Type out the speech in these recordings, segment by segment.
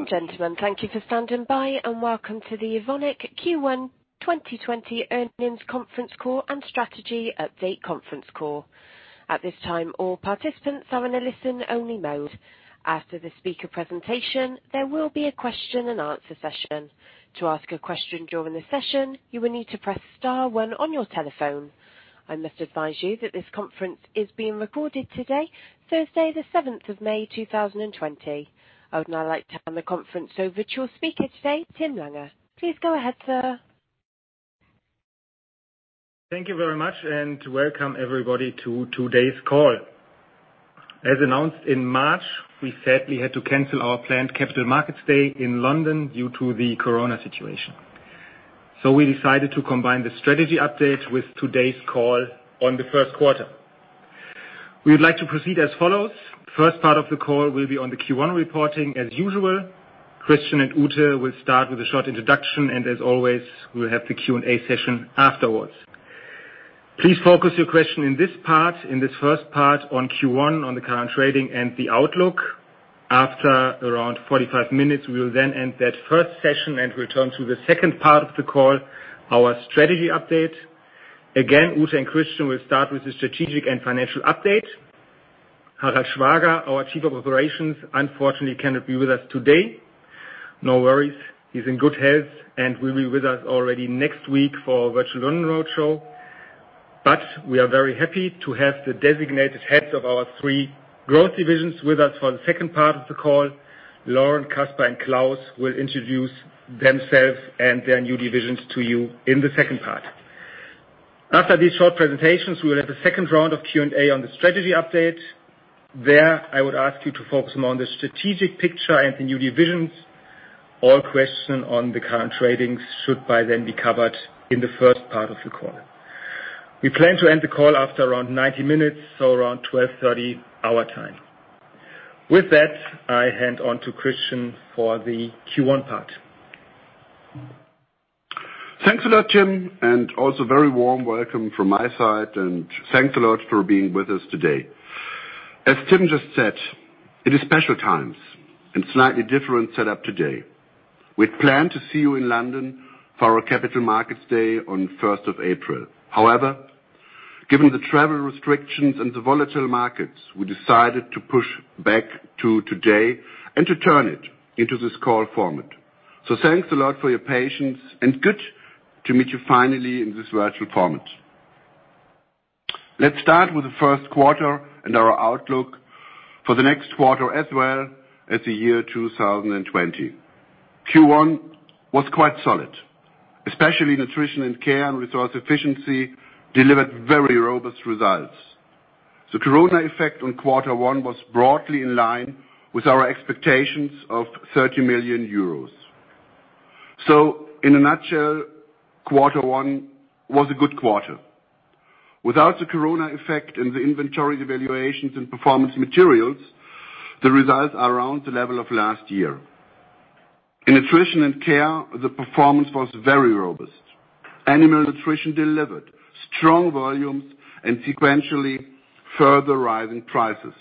Ladies and gentlemen, thank you for standing by, and welcome to the Evonik Q1 2020 Earnings Conference Call and Strategy Update Conference Call. At this time, all participants are in a listen-only mode. After the speaker presentation, there will be a question-and-answer session. To ask a question during the session, you will need to press star one on your telephone. I must advise you that this conference is being recorded today, Thursday, the 7th of May, 2020. I would now like to hand the conference over to your speaker today, Tim Lange. Please go ahead, sir. Thank you very much, and welcome everybody to today's call. As announced in March, we sadly had to cancel our planned Capital Markets Day in London due to the corona situation. We decided to combine the strategy update with today's call on the first quarter. We would like to proceed as follows. First part of the call will be on the Q1 reporting as usual. Christian and Ute will start with a short introduction, and as always, we'll have the Q&A session afterwards. Please focus your question in this part, in this first part, on Q1, on the current trading and the outlook. After around 45 minutes, we will then end that first session and return to the second part of the call, our strategy update. Again, Ute and Christian will start with the strategic and financial update. Harald Schwager, our Chief of Operations, unfortunately cannot be with us today. No worries. He's in good health and will be with us already next week for our virtual London roadshow. We are very happy to have the designated heads of our three growth divisions with us for the second part of the call. Lauren, Caspar and Claus will introduce themselves and their new divisions to you in the second part. After these short presentations, we will have a second round of Q&A on the strategy update. There, I would ask you to focus more on the strategic picture and the new divisions. All question on the current tradings should by then be covered in the first part of the call. We plan to end the call after around 90 minutes, so around 12:30 our time. With that, I hand on to Christian for the Q1 part. Thanks a lot, Tim, also a very warm welcome from my side, and thanks a lot for being with us today. As Tim just said, it is special times and slightly different setup today. We'd planned to see you in London for our Capital Markets Day on the 1st of April. However, given the travel restrictions and the volatile markets, we decided to push back to today and to turn it into this call format. Thanks a lot for your patience, and good to meet you finally in this virtual format. Let's start with the first quarter and our outlook for the next quarter as well as the year 2020. Q1 was quite solid, especially Nutrition & Care and Resource Efficiency delivered very robust results. The corona effect on quarter one was broadly in line with our expectations of 30 million euros. In a nutshell, quarter one was a good quarter. Without the corona effect and the inventory devaluations and Performance Materials, the results are around the level of last year. In Nutrition & Care, the performance was very robust. Animal Nutrition delivered strong volumes and sequentially further rise in prices.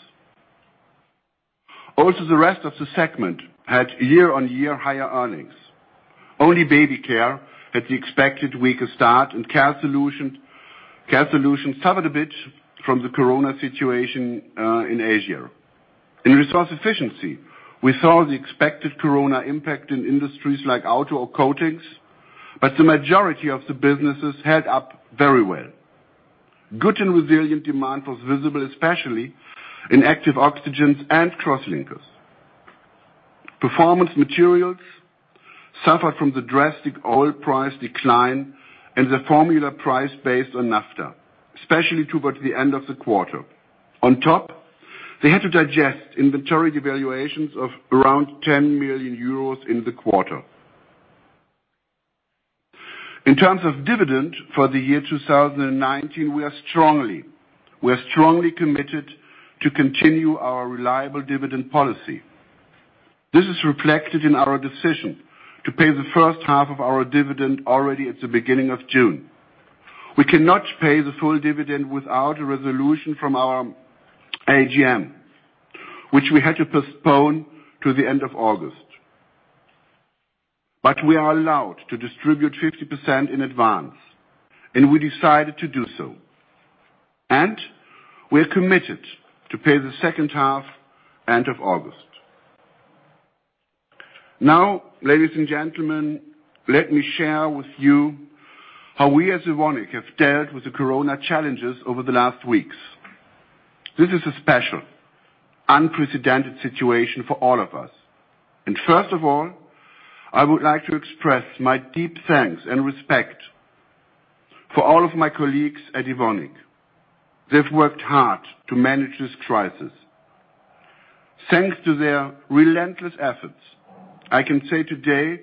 Also, the rest of the segment had year-on-year higher earnings. Only Baby Care had the expected weaker start, and Care Solutions suffered a bit from the corona situation in Asia. In Resource Efficiency, we saw the expected corona impact in industries like auto or coatings, but the majority of the businesses held up very well. Good and resilient demand was visible, especially in Active Oxygens and Crosslinkers. Performance Materials suffered from the drastic oil price decline and the formula price based on naphtha, especially towards the end of the quarter. On top, they had to digest inventory devaluations of around 10 million euros in the quarter. In terms of dividend for the year 2019, we are strongly committed to continue our reliable dividend policy. This is reflected in our decision to pay the first half of our dividend already at the beginning of June. We cannot pay the full dividend without a resolution from our AGM, which we had to postpone to the end of August. We are allowed to distribute 50% in advance, and we decided to do so. We're committed to pay the second half end of August. Now, ladies and gentlemen, let me share with you how we as Evonik have dealt with the corona challenges over the last weeks. This is a special, unprecedented situation for all of us. First of all, I would like to express my deep thanks and respect for all of my colleagues at Evonik. They've worked hard to manage this crisis. Thanks to their relentless efforts, I can say today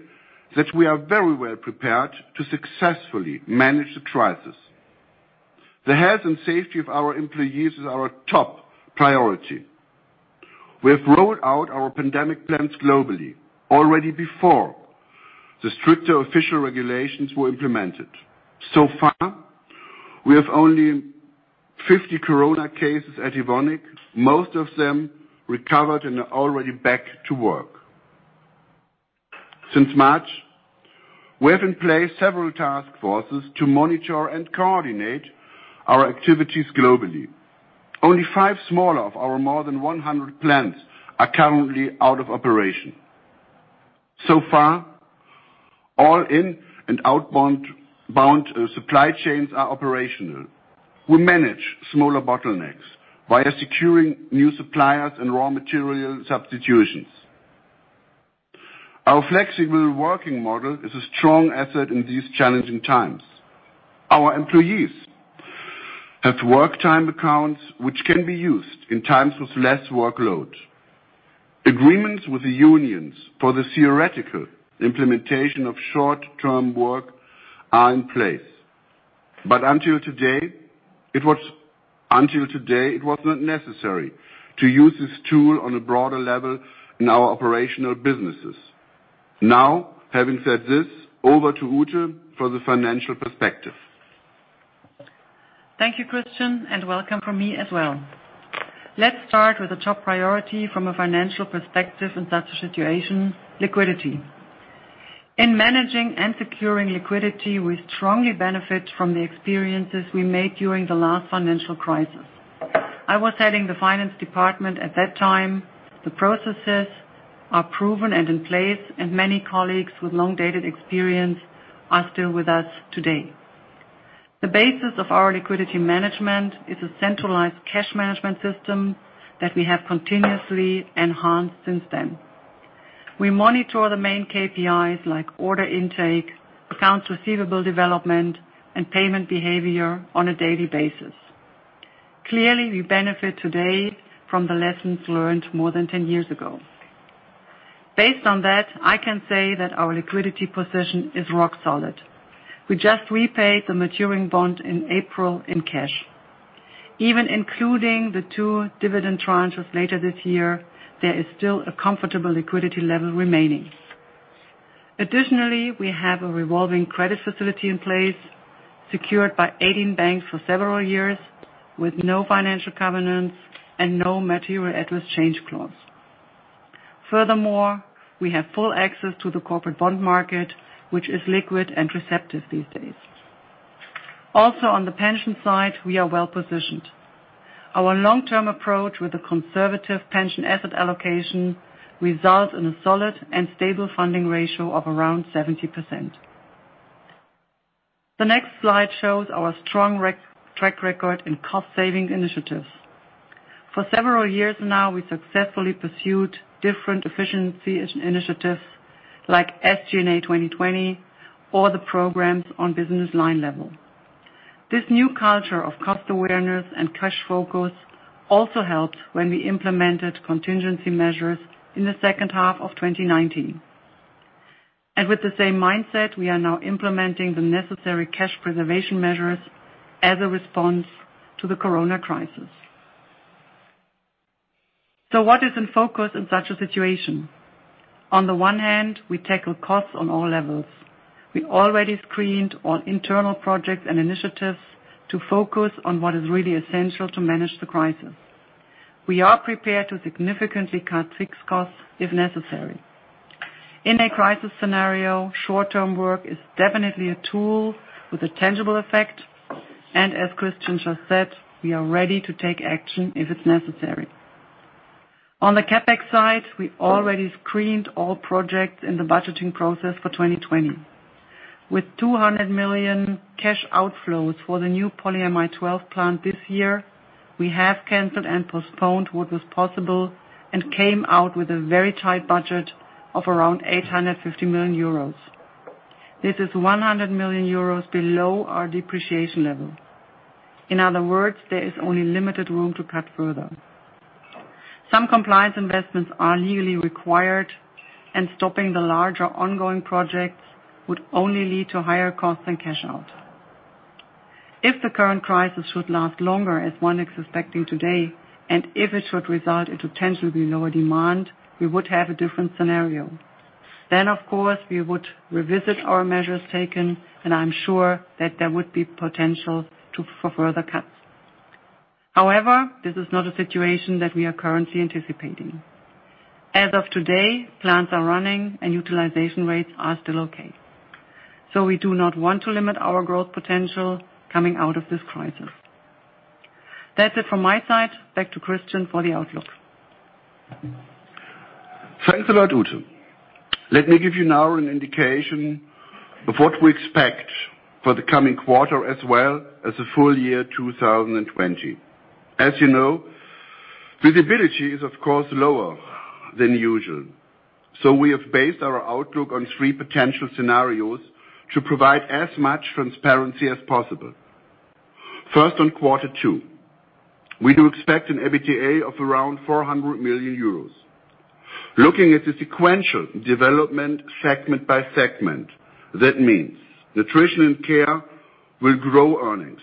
that we are very well prepared to successfully manage the crisis. The health and safety of our employees is our top priority. We have rolled out our pandemic plans globally already before the stricter official regulations were implemented. So far, we have only 50 corona cases at Evonik, most of them recovered and are already back to work. Since March, we have in place several task forces to monitor and coordinate our activities globally. Only five smaller of our more than 100 plants are currently out of operation. So far, all in and outbound supply chains are operational. We manage smaller bottlenecks via securing new suppliers and raw material substitutions. Our flexible working model is a strong asset in these challenging times. Our employees have work time accounts which can be used in times with less workload. Agreements with the unions for the theoretical implementation of short-term work are in place. Until today, it was not necessary to use this tool on a broader level in our operational businesses. Having said this, over to Ute for the financial perspective. Thank you, Christian. Welcome from me as well. Let's start with the top priority from a financial perspective in such a situation, liquidity. In managing and securing liquidity, we strongly benefit from the experiences we made during the last financial crisis. I was heading the finance department at that time. The processes are proven and in place, and many colleagues with long-dated experience are still with us today. The basis of our liquidity management is a centralized cash management system that we have continuously enhanced since then. We monitor the main KPIs like order intake, accounts receivable development, and payment behavior on a daily basis. Clearly, we benefit today from the lessons learned more than 10 years ago. Based on that, I can say that our liquidity position is rock solid. We just repaid the maturing bond in April in cash. Even including the two dividend tranches later this year, there is still a comfortable liquidity level remaining. Additionally, we have a revolving credit facility in place, secured by 18 banks for several years with no financial covenants and no material adverse change clause. Furthermore, we have full access to the corporate bond market, which is liquid and receptive these days. On the pension side, we are well-positioned. Our long-term approach with a conservative pension asset allocation results in a solid and stable funding ratio of around 70%. The next slide shows our strong track record in cost-saving initiatives. For several years now, we successfully pursued different efficiency initiatives like SG&A 2020 or the programs on business line level. This new culture of cost awareness and cash focus also helped when we implemented contingency measures in the second half of 2019. With the same mindset, we are now implementing the necessary cash preservation measures as a response to the corona crisis. What is in focus in such a situation? On the one hand, we tackle costs on all levels. We already screened all internal projects and initiatives to focus on what is really essential to manage the crisis. We are prepared to significantly cut fixed costs if necessary. In a crisis scenario, short-term work is definitely a tool with a tangible effect. As Christian just said, we are ready to take action if it's necessary. On the CapEx side, we already screened all projects in the budgeting process for 2020. With 200 million cash outflows for the new Polyamide 12 plant this year, we have canceled and postponed what was possible and came out with a very tight budget of around 850 million euros. This is 100 million euros below our depreciation level. There is only limited room to cut further. Some compliance investments are legally required, stopping the larger ongoing projects would only lead to higher costs and cash out. If the current crisis should last longer, as one is expecting today, if it should result in potentially lower demand, we would have a different scenario. Of course, we would revisit our measures taken, I'm sure that there would be potential for further cuts. This is not a situation that we are currently anticipating. As of today, plants are running utilization rates are still okay. We do not want to limit our growth potential coming out of this crisis. That's it from my side. Back to Christian for the outlook. Thanks a lot, Ute. Let me give you now an indication of what we expect for the coming quarter as well as the full year 2020. As you know, visibility is, of course, lower than usual. We have based our outlook on three potential scenarios to provide as much transparency as possible. First, on quarter two. We do expect an EBITDA of around 400 million euros. Looking at the sequential development segment by segment. That means Nutrition & Care will grow earnings.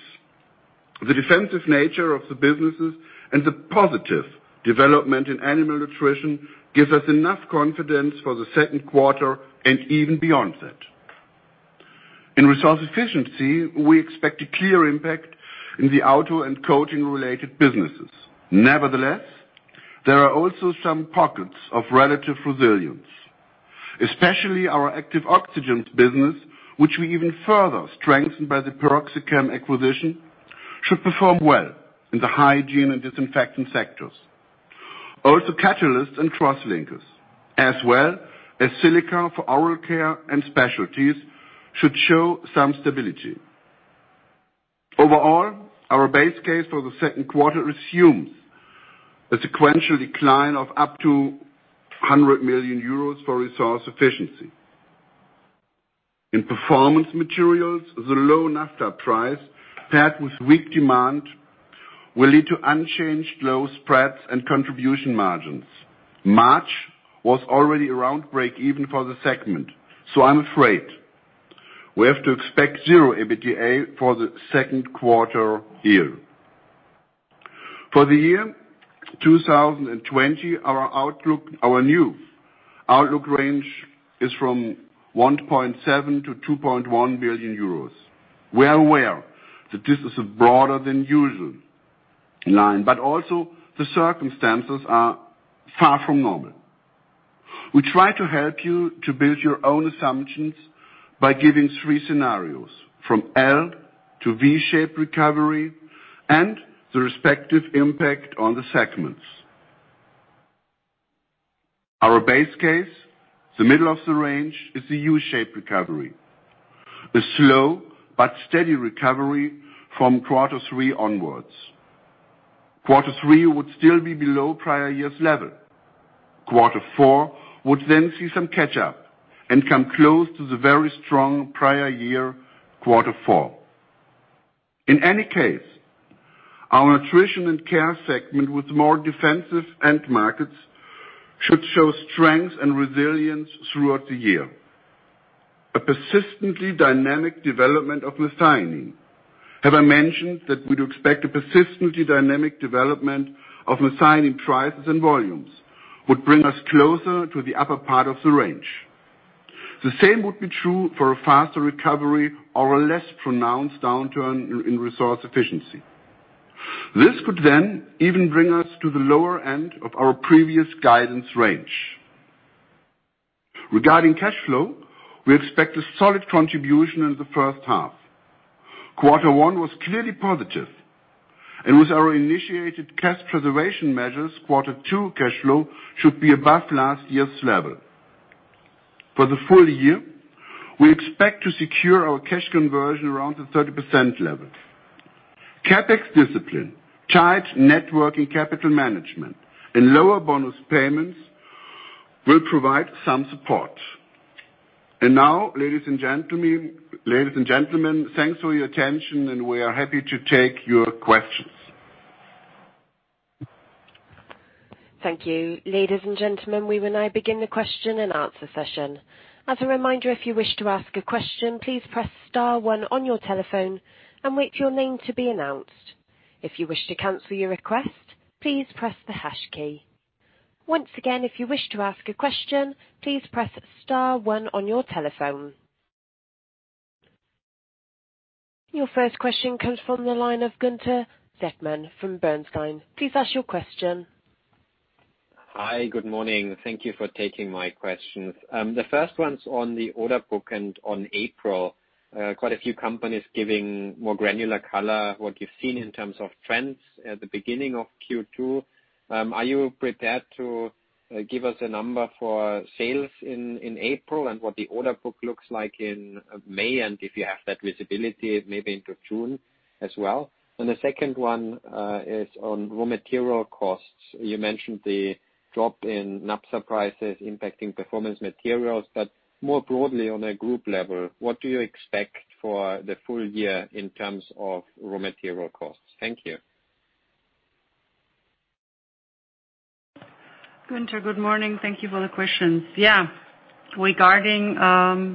The defensive nature of the businesses and the positive development in Animal Nutrition gives us enough confidence for the second quarter and even beyond that. In Resource Efficiency, we expect a clear impact in the auto and coating-related businesses. Nevertheless, there are also some pockets of relative resilience, especially our Active Oxygens business, which we even further strengthened by the PeroxyChem acquisition, should perform well in the hygiene and disinfectant sectors. Also Catalysts and Crosslinkers, as well as Silica for oral care and specialties should show some stability. Overall, our base case for the second quarter assumes a sequential decline of up to 100 million euros for Resource Efficiency. In Performance Materials, the low naphtha price paired with weak demand will lead to unchanged low spreads and contribution margins. March was already around break-even for the segment, I'm afraid we have to expect zero EBITDA for the second quarter year. For the year 2020, our new outlook range is from 1.7 billion-2.1 billion euros. We are aware that this is a broader than usual line, also the circumstances are far from normal. We try to help you to build your own assumptions by giving three scenarios, from L to V-shaped recovery and the respective impact on the segments. Our base case, the middle of the range, is the U-shaped recovery. A slow but steady recovery from quarter three onwards. Quarter three would still be below prior year's level. Quarter four would then see some catch-up and come close to the very strong prior year quarter four. In any case, our Nutrition & Care segment with more defensive end markets should show strength and resilience throughout the year. A persistently dynamic development of methionine. Have I mentioned that we do expect a persistently dynamic development of methionine prices and volumes would bring us closer to the upper part of the range? The same would be true for a faster recovery or a less pronounced downturn in Resource Efficiency. This could then even bring us to the lower end of our previous guidance range. Regarding cash flow, we expect a solid contribution in the first half. Quarter one was clearly positive. With our initiated cash preservation measures, quarter two cash flow should be above last year's level. For the full year, we expect to secure our cash conversion around the 30% level. CapEx discipline, tight net working capital management, and lower bonus payments will provide some support. Now, ladies and gentlemen, thanks for your attention, and we are happy to take your questions. Thank you. Ladies and gentlemen, we will now begin the question-and-answer session. As a reminder, if you wish to ask a question, please press star one on your telephone and wait for your name to be announced. If you wish to cancel your request, please press the hash key. Once again, if you wish to ask a question, please press star one on your telephone. Your first question comes from the line of Gunther Zechmann from Bernstein. Please ask your question. Hi, good morning. Thank you for taking my questions. The first one's on the order book and on April. Quite a few companies giving more granular color, what you've seen in terms of trends at the beginning of Q2. Are you prepared to give us a number for sales in April and what the order book looks like in May? If you have that visibility, maybe into June as well. The second one is on raw material costs. You mentioned the drop in naphtha prices impacting Performance Materials, but more broadly on a group level, what do you expect for the full year in terms of raw material costs? Thank you. Gunther, good morning. Thank you for the questions. Regarding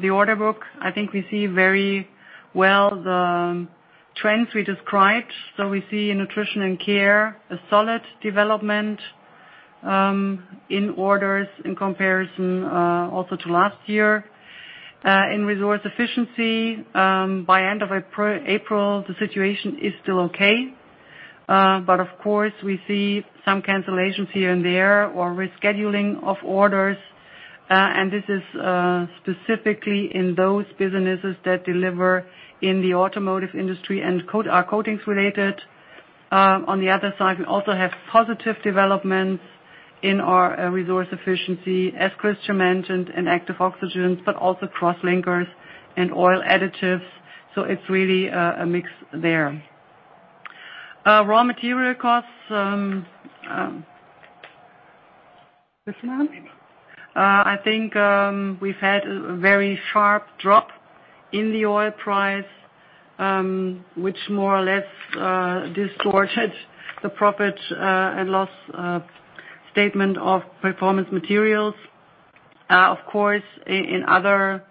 the order book, I think we see very well the trends we described. We see in Nutrition & Care a solid development in orders in comparison also to last year. In Resource Efficiency, by end of April, the situation is still okay. Of course, we see some cancellations here and there or rescheduling of orders. This is specifically in those businesses that deliver in the automotive industry and are coatings related. On the other side, we also have positive developments in our Resource Efficiency, as Christian mentioned, in Active Oxygens, but also Crosslinkers and Oil Additives. It's really a mix there. Raw material costs. Christian? We've had a very sharp drop in the oil price, which more or less distorted the profit and loss statement of Performance Materials. Of course, in other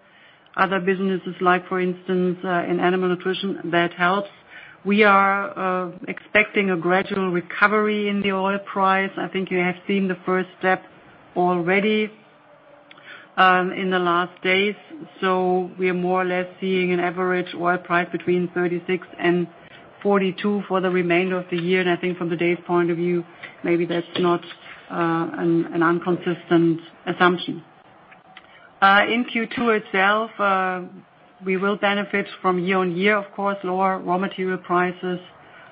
businesses like, for instance, in Animal Nutrition, that helps. We are expecting a gradual recovery in the oil price. You have seen the first step already in the last days. We are more or less seeing an average oil price between 36 and 42 for the remainder of the year. From today's point of view, maybe that's not an inconsistent assumption. In Q2 itself, we will benefit from year-on-year, of course, lower raw material prices.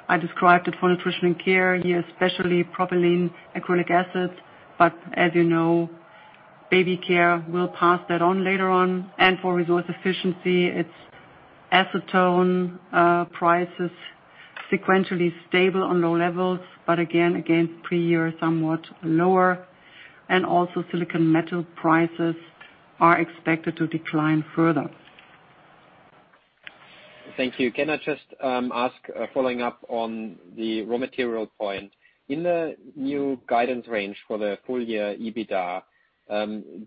I described it for Nutrition & Care, especially propylene acrylic acid. As you know, Baby Care will pass that on later on. For Resource Efficiency, its acetone price is sequentially stable on low levels, but again, pre-year somewhat lower. Also silicon metal prices are expected to decline further. Thank you. Can I just ask, following up on the raw material point, in the new guidance range for the full year EBITDA,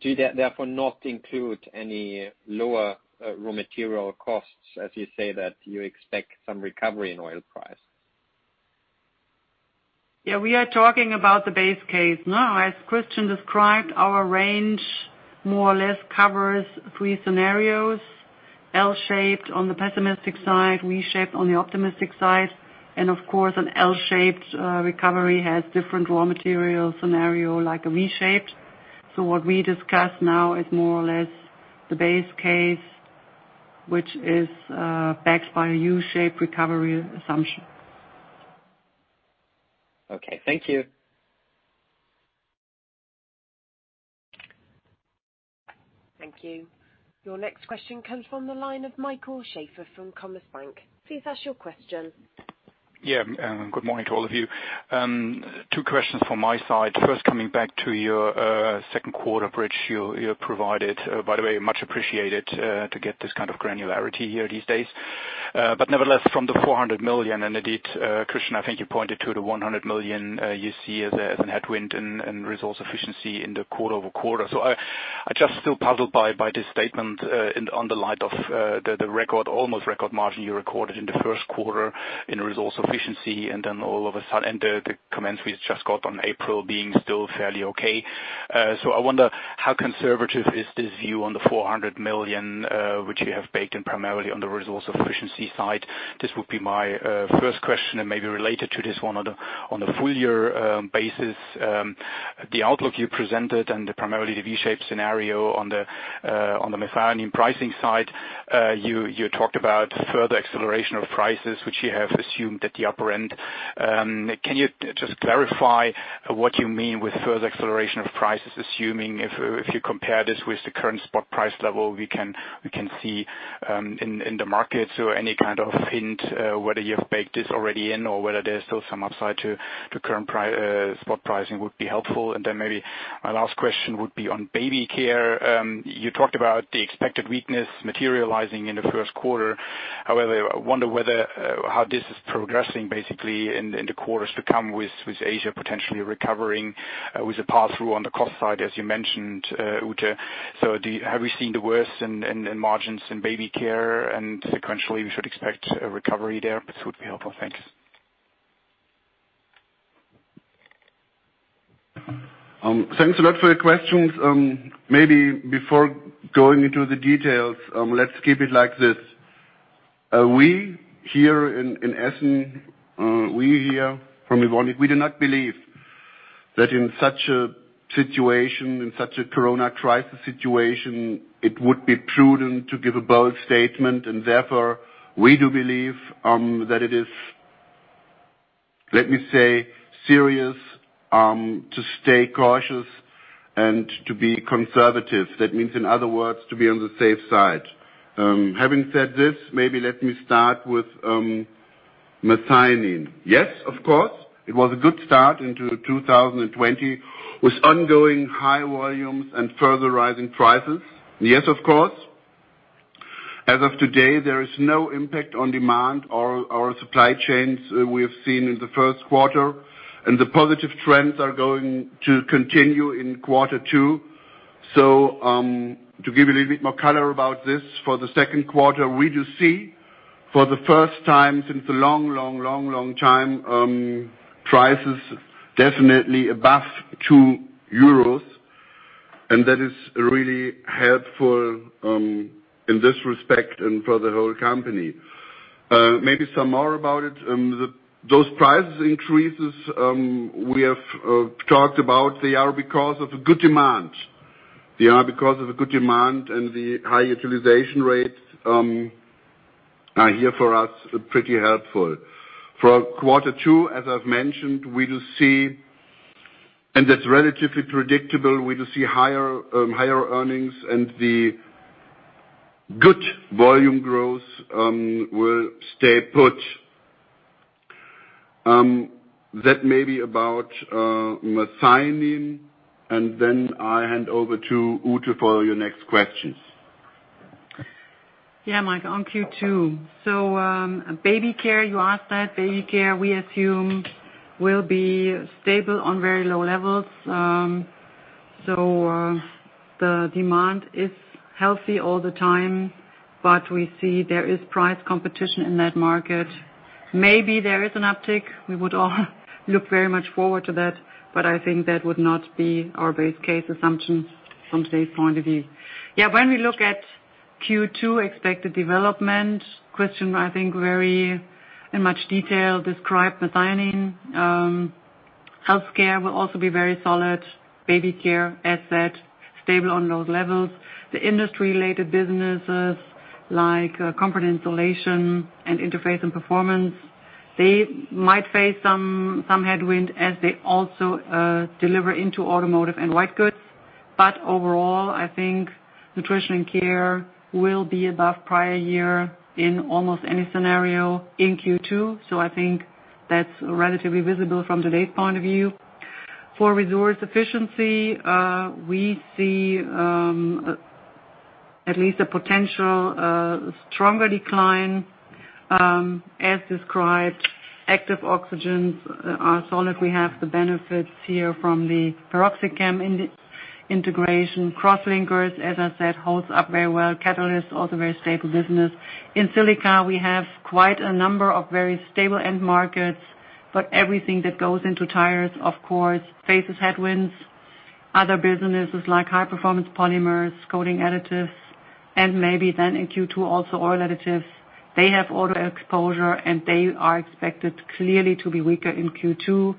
do they therefore not include any lower raw material costs, as you say that you expect some recovery in oil price? Yeah, we are talking about the base case now. As Christian described, our range more or less covers three scenarios, L-shaped on the pessimistic side, V-shaped on the optimistic side. Of course, an L-shaped recovery has different raw material scenario like a V-shaped. What we discuss now is more or less the base case, which is backed by a U-shaped recovery assumption. Okay. Thank you. Thank you. Your next question comes from the line of Michael Schaefer from Commerzbank. Please ask your question. Yeah. Good morning to all of you. Two questions from my side. First, coming back to your second quarter bridge you provided. By the way, much appreciated to get this kind of granularity here these days. From the 400 million, and indeed, Christian, I think you pointed to the 100 million you see as an headwind in Resource Efficiency in the quarter-over-quarter. I'm just still puzzled by this statement in the light of the almost record margin you recorded in the first quarter in Resource Efficiency, and the comments we just got on April being still fairly okay. I wonder, how conservative is this view on the 400 million, which you have baked in primarily on the Resource Efficiency side? This would be my first question and maybe related to this one. On the full year basis, the outlook you presented and primarily the V-shaped scenario on the methionine pricing side, you talked about further acceleration of prices, which you have assumed at the upper end. Can you just clarify what you mean with further acceleration of prices, assuming if you compare this with the current spot price level we can see in the market? Any kind of hint whether you have baked this already in or whether there's still some upside to current spot pricing would be helpful. Then maybe my last question would be on Baby Care. You talked about the expected weakness materializing in the first quarter. However, I wonder how this is progressing, basically, in the quarters to come with Asia potentially recovering with a pass-through on the cost side, as you mentioned, Ute. Have we seen the worst in margins in Baby Care and sequentially we should expect a recovery there? This would be helpful. Thanks. Thanks a lot for your questions. Maybe before going into the details, let's keep it like this. We here in Essen, we here from Evonik, we do not believe that in such a situation, in such a corona crisis situation, it would be prudent to give a bold statement, and therefore, we do believe that it is, let me say, serious to stay cautious and to be conservative. That means, in other words, to be on the safe side. Having said this, maybe let me start with methionine. Yes, of course, it was a good start into 2020 with ongoing high volumes and further rising prices. Yes, of course. As of today, there is no impact on demand or our supply chains we have seen in the first quarter, and the positive trends are going to continue in quarter two. To give you a little bit more color about this, for the second quarter, we do see for the first time since a long time, prices definitely above 2 euros, and that is really helpful in this respect and for the whole company. Maybe some more about it. Those price increases we have talked about, they are because of good demand. They are because of the good demand and the high utilization rates are here for us, pretty helpful. For quarter two, as I've mentioned, and that's relatively predictable, we will see higher earnings and the good volume growth will stay put. That may be about methionine, and then I hand over to Ute for your next questions. On Q2. Baby Care, you asked that. Baby Care, we assume will be stable on very low levels. The demand is healthy all the time. We see there is price competition in that market. Maybe there is an uptick. We would all look very much forward to that. I think that would not be our base case assumption from today's point of view. When we look at Q2 expected development, question I think very in much detail described methionine. Health Care will also be very solid. Baby Care, as said, stable on those levels. The industry-related businesses like Comfort & Insulation and Interface & Performance, they might face some headwind as they also deliver into automotive and white goods. Overall, I think Nutrition & Care will be above prior year in almost any scenario in Q2. I think that's relatively visible from today's point of view. For Resource Efficiency, we see at least a potential stronger decline. As described, Active Oxygens are solid. We have the benefits here from the PeroxyChem integration. Crosslinkers, as I said, holds up very well. Catalysts, also very stable business. In Silica, we have quite a number of very stable end markets, but everything that goes into tires, of course, faces headwinds. Other businesses like High Performance Polymers, Coating Additives, and maybe then in Q2 also Oil Additives, they have auto exposure, and they are expected clearly to be weaker in Q2.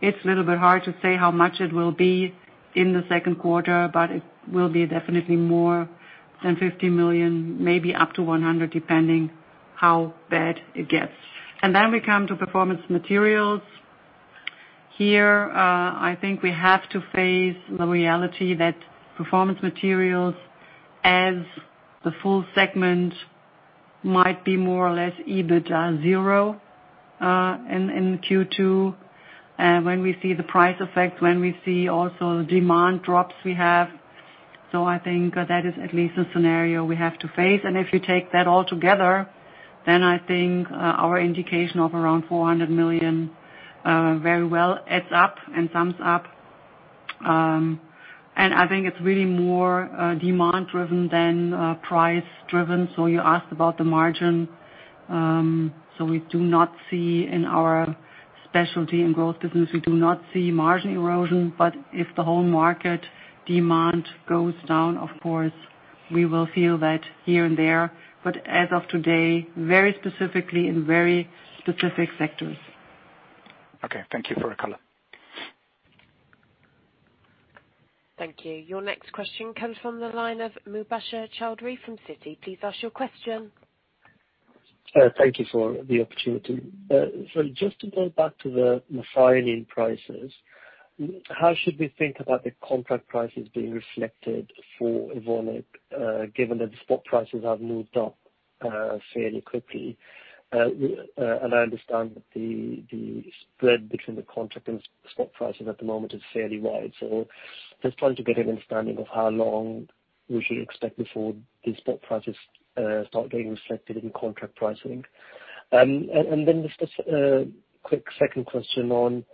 It's a little bit hard to say how much it will be in the second quarter, but it will be definitely more than 50 million, maybe up to 100 million, depending how bad it gets. We come to Performance Materials. Here, I think we have to face the reality that Performance Materials as the full segment might be more or less EBITDA zero in Q2, when we see the price effects, when we see also the demand drops we have. I think that is at least a scenario we have to face. If you take that all together, then I think our indication of around 400 million very well adds up and sums up. I think it's really more demand-driven than price-driven. You asked about the margin. We do not see in our specialty and growth business, we do not see margin erosion, but if the whole market demand goes down, of course, we will feel that here and there. As of today, very specifically in very specific sectors. Okay. Thank you for the color. Thank you. Your next question comes from the line of Mubasher Chaudhry from Citi. Please ask your question. Thank you for the opportunity. Just to go back to the methionine prices, how should we think about the contract prices being reflected for Evonik, given that the spot prices have moved up fairly quickly? I understand that the spread between the contract and spot prices at the moment is fairly wide. Just trying to get an understanding of how long we should expect before the spot prices start getting reflected in contract pricing. Just a quick second question on,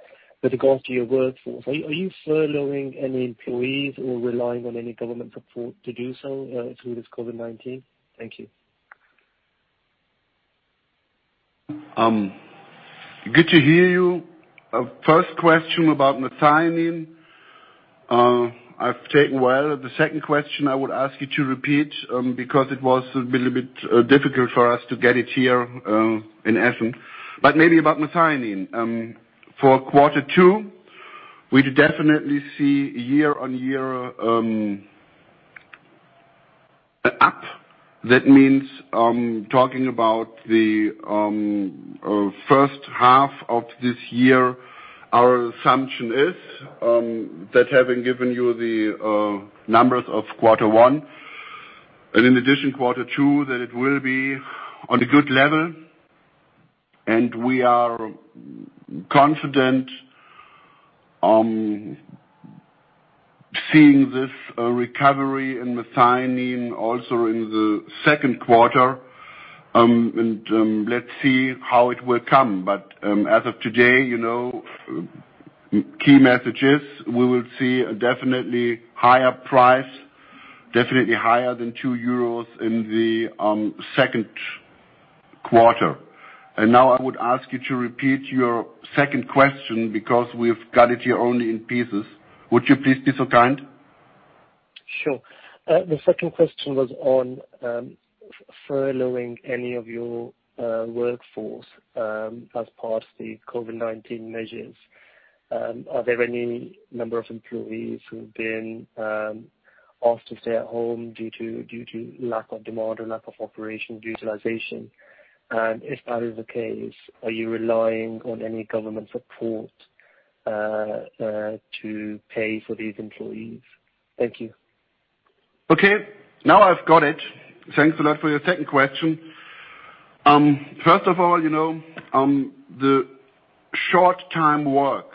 with regard to your workforce, are you furloughing any employees or relying on any government support to do so through this COVID-19? Thank you. Good to hear you. First question about methionine, I've taken well. The second question I would ask you to repeat, because it was a little bit difficult for us to get it here in Essen. Maybe about methionine. For quarter two, we definitely see year-on-year up. That means, talking about the first half of this year, our assumption is that having given you the numbers of quarter one, and in addition, quarter two, that it will be on a good level. We are confident on seeing this recovery in methionine also in the second quarter. Let's see how it will come. As of today, key message is, we will see a definitely higher price, definitely higher than 2 euros in the second quarter. Now I would ask you to repeat your second question because we've got it here only in pieces. Would you please be so kind? Sure. The second question was on furloughing any of your workforce as part of the COVID-19 measures. Are there any number of employees who've been asked to stay at home due to lack of demand or lack of operation due to utilization? If that is the case, are you relying on any government support to pay for these employees? Thank you. Okay. Now I've got it. Thanks a lot for your second question. First of all, the short-time work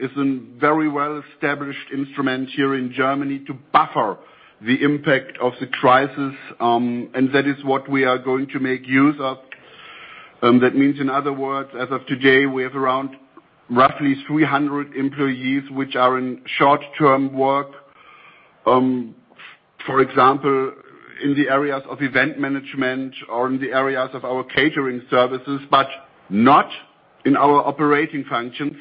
is a very well-established instrument here in Germany to buffer the impact of the crisis. That is what we are going to make use of. That means, in other words, as of today, we have around roughly 300 employees which are in short-term work. For example, in the areas of event management or in the areas of our catering services, but not in our operating functions.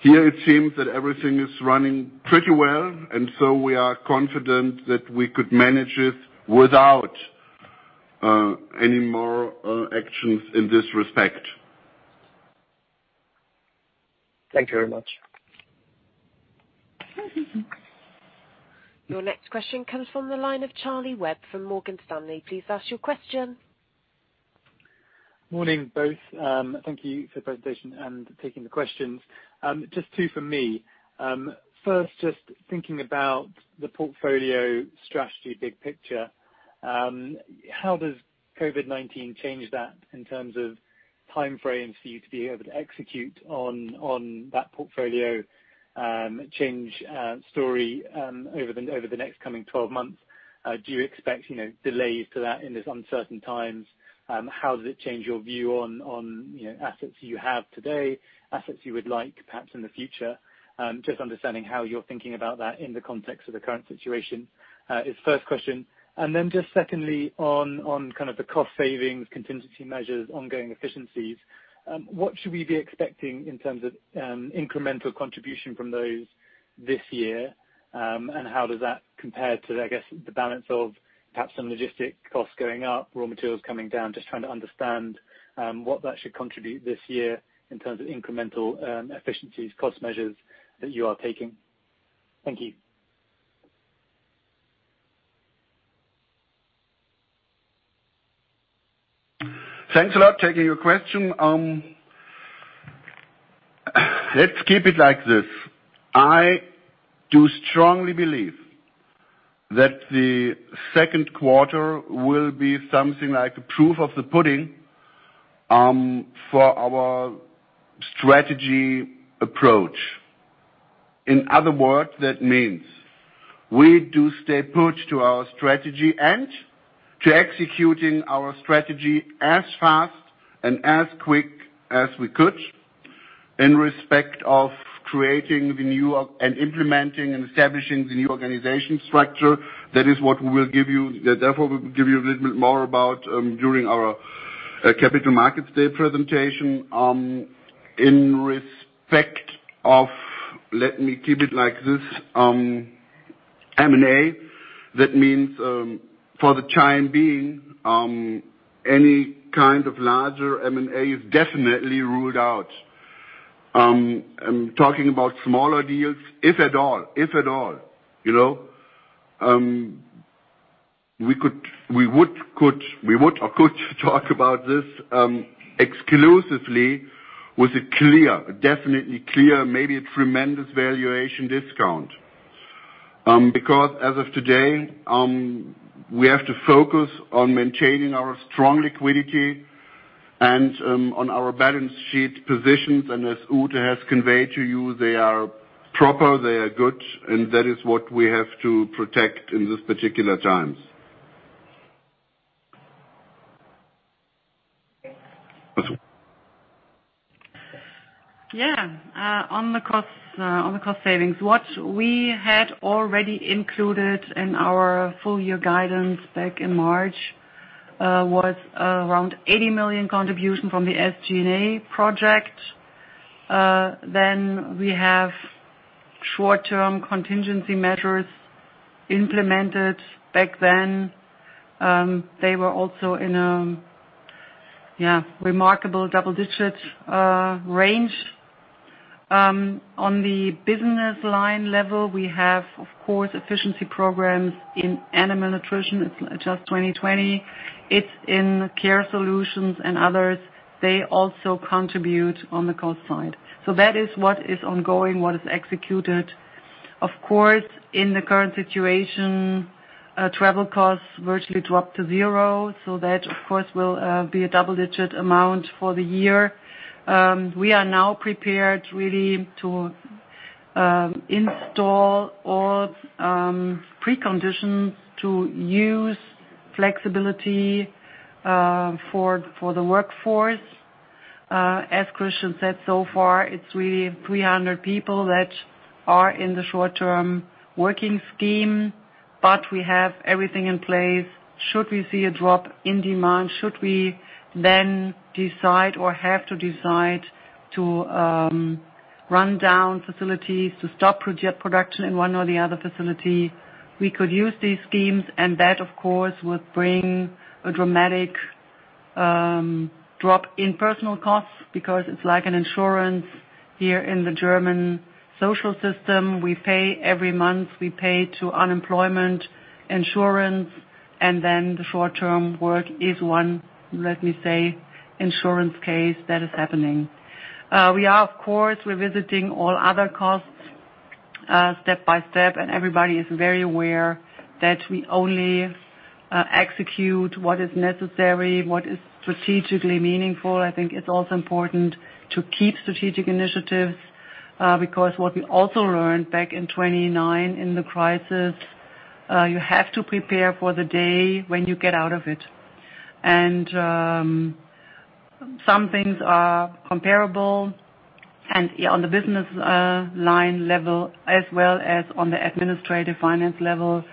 Here it seems that everything is running pretty well, and so we are confident that we could manage it without any more actions in this respect. Thank you very much. Your next question comes from the line of Charlie Webb from Morgan Stanley. Please ask your question. Morning, both. Thank you for the presentation and taking the questions. Just two from me. First, just thinking about the portfolio strategy big picture. How does COVID-19 change that in terms of time frames for you to be able to execute on that portfolio change story over the next coming 12 months? Do you expect delays to that in these uncertain times? How does it change your view on assets you have today, assets you would like perhaps in the future? Just understanding how you're thinking about that in the context of the current situation, is first question. Then secondly, on the cost savings, contingency measures, ongoing efficiencies. What should we be expecting in terms of incremental contribution from those this year? How does that compare to, I guess, the balance of perhaps some logistic costs going up, raw materials coming down? Just trying to understand what that should contribute this year in terms of incremental efficiencies, cost measures that you are taking. Thank you. Thanks a lot. Taking your question. Let's keep it like this. I do strongly believe that the second quarter will be something like the proof of the pudding for our strategy approach. In other words, that means we do stay put to our strategy and to executing our strategy as fast and as quick as we could in respect of creating the new and implementing and establishing the new organization structure. That is what we will give you. We'll give you a little bit more about during our Capital Markets Day presentation. In respect of, let me keep it like this, M&A. That means, for the time being, any kind of larger M&A is definitely ruled out. I'm talking about smaller deals, if at all. We would or could talk about this exclusively with a clear, definitely clear, maybe a tremendous valuation discount. Because as of today, we have to focus on maintaining our strong liquidity and on our balance sheet positions. As Ute has conveyed to you, they are proper, they are good, and that is what we have to protect in these particular times. That's all. On the cost savings, what we had already included in our full year guidance back in March, was around 80 million contribution from the SG&A project. We have short-term contingency measures implemented back then. They were also in a remarkable double-digit range. On the business line level, we have, of course, efficiency programs in Animal Nutrition. It's Adjust 2020. It's in Care Solutions and others. They also contribute on the cost side. That is what is ongoing, what is executed. Of course, in the current situation, travel costs virtually dropped to zero. That, of course, will be a double-digit amount for the year. We are now prepared really to install all preconditions to use flexibility for the workforce. As Christian said, so far, it's really 300 people that are in the short-term working scheme. We have everything in place should we see a drop in demand, should we then decide or have to decide to run down facilities to stop production in one or the other facility. We could use these schemes, that, of course, would bring a dramatic drop in personal costs because it's like an insurance here in the German social system. We pay every month. We pay to unemployment insurance, then the short-term work is one, let me say, insurance case that is happening. We are, of course, revisiting all other costs. Step by step, everybody is very aware that we only execute what is necessary, what is strategically meaningful. I think it's also important to keep strategic initiatives, what we also learned back in 2009 in the crisis, you have to prepare for the day when you get out of it. Some things are comparable and on the business line level as well as on the administrative finance level,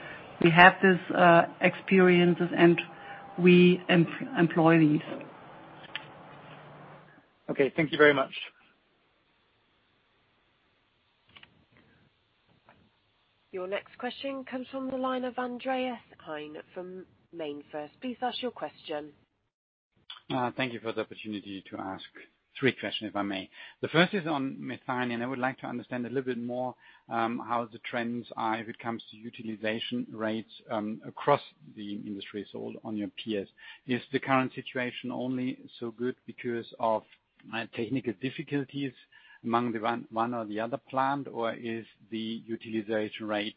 we have these experiences and we employ these. Okay. Thank you very much. Your next question comes from the line of Andreas Heine from MainFirst. Please ask your question. Thank you for the opportunity to ask three questions, if I may. The first is on methionine, I would like to understand a little bit more, how the trends are if it comes to utilization rates, across the industry, on your peers. Is the current situation only so good because of technical difficulties among the one or the other plant, or is the utilization rate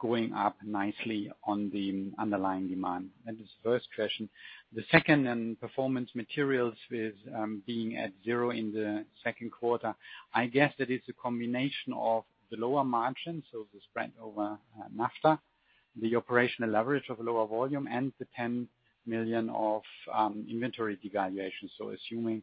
going up nicely on the underlying demand? That is the first question. The second on Performance Materials is being at zero in the second quarter. I guess that it's a combination of the lower margins, so the spread over naphtha, the operational leverage of lower volume and the 10 million of inventory devaluation. Assuming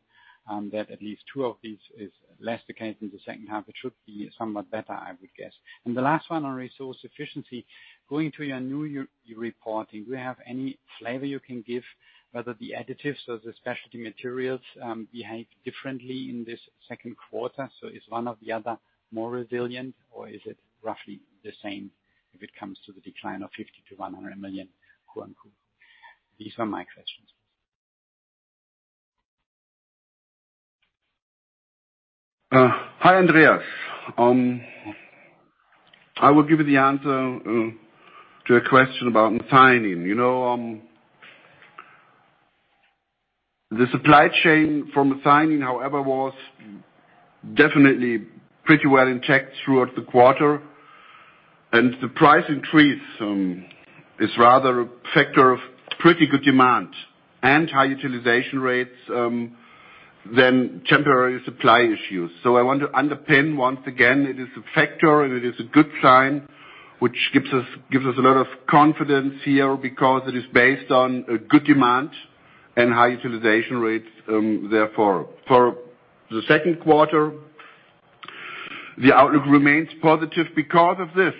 that at least two of these is less the case in the second half, it should be somewhat better, I would guess. The last one on Resource Efficiency. Going to your new year reporting, do you have any flavor you can give whether the additives or the specialty materials behave differently in this second quarter? Is one or the other more resilient, or is it roughly the same if it comes to the decline of 50 million-100 million quote unquote? These are my questions. Hi, Andreas. I will give you the answer to a question about methionine. The supply chain for methionine, however, was definitely pretty well intact throughout the quarter. The price increase is rather a factor of pretty good demand and high utilization rates than temporary supply issues. I want to underpin once again, it is a factor and it is a good sign, which gives us a lot of confidence here because it is based on a good demand and high utilization rates, therefore. For the second quarter, the outlook remains positive because of this.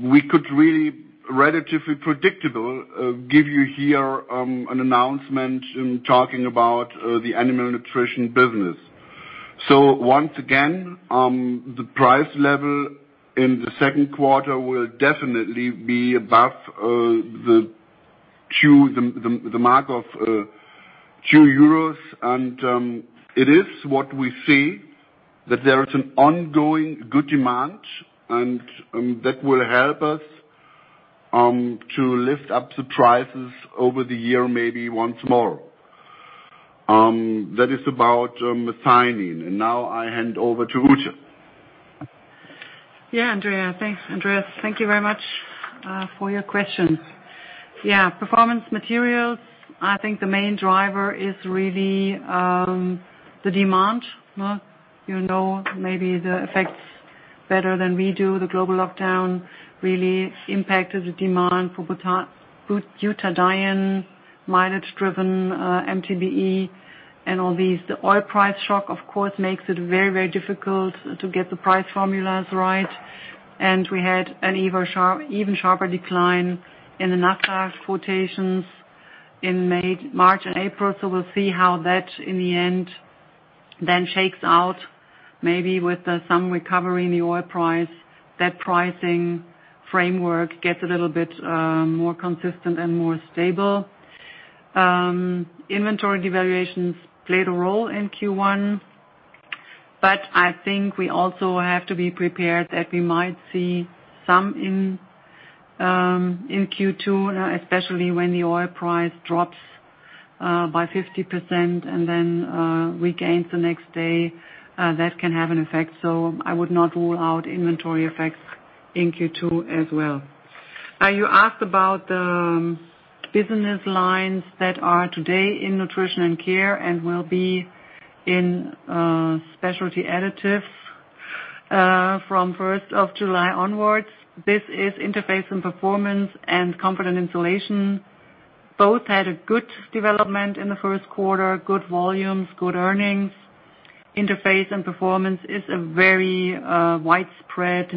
We could really relatively predictable, give you here an announcement in talking about the Animal Nutrition business. Once again, the price level in the second quarter will definitely be above the mark of 2 euros. It is what we see, that there is an ongoing good demand and that will help us to lift up the prices over the year, maybe once more. That is about methionine. Now I hand over to Ute. Yeah, Andreas. Thanks, Andreas. Thank you very much for your questions. Performance Materials, I think the main driver is really the demand. You know maybe the effects better than we do. The global lockdown really impacted the demand for butadiene, mileage-driven MTBE and all these. The oil price shock, of course, makes it very difficult to get the price formulas right. We had an even sharper decline in the naphtha quotations in March and April. We'll see how that in the end then shakes out, maybe with some recovery in the oil price, that pricing framework gets a little bit more consistent and more stable. Inventory devaluations played a role in Q1, but I think we also have to be prepared that we might see some in Q2, especially when the oil price drops by 50% and then regains the next day. That can have an effect, so I would not rule out inventory effects in Q2 as well. You asked about the business lines that are today in Nutrition & Care and will be in Specialty Additives from 1st of July onwards. This is Interface & Performance and Comfort & Insulation. Both had a good development in the first quarter, good volumes, good earnings. Interface & Performance is a very widespread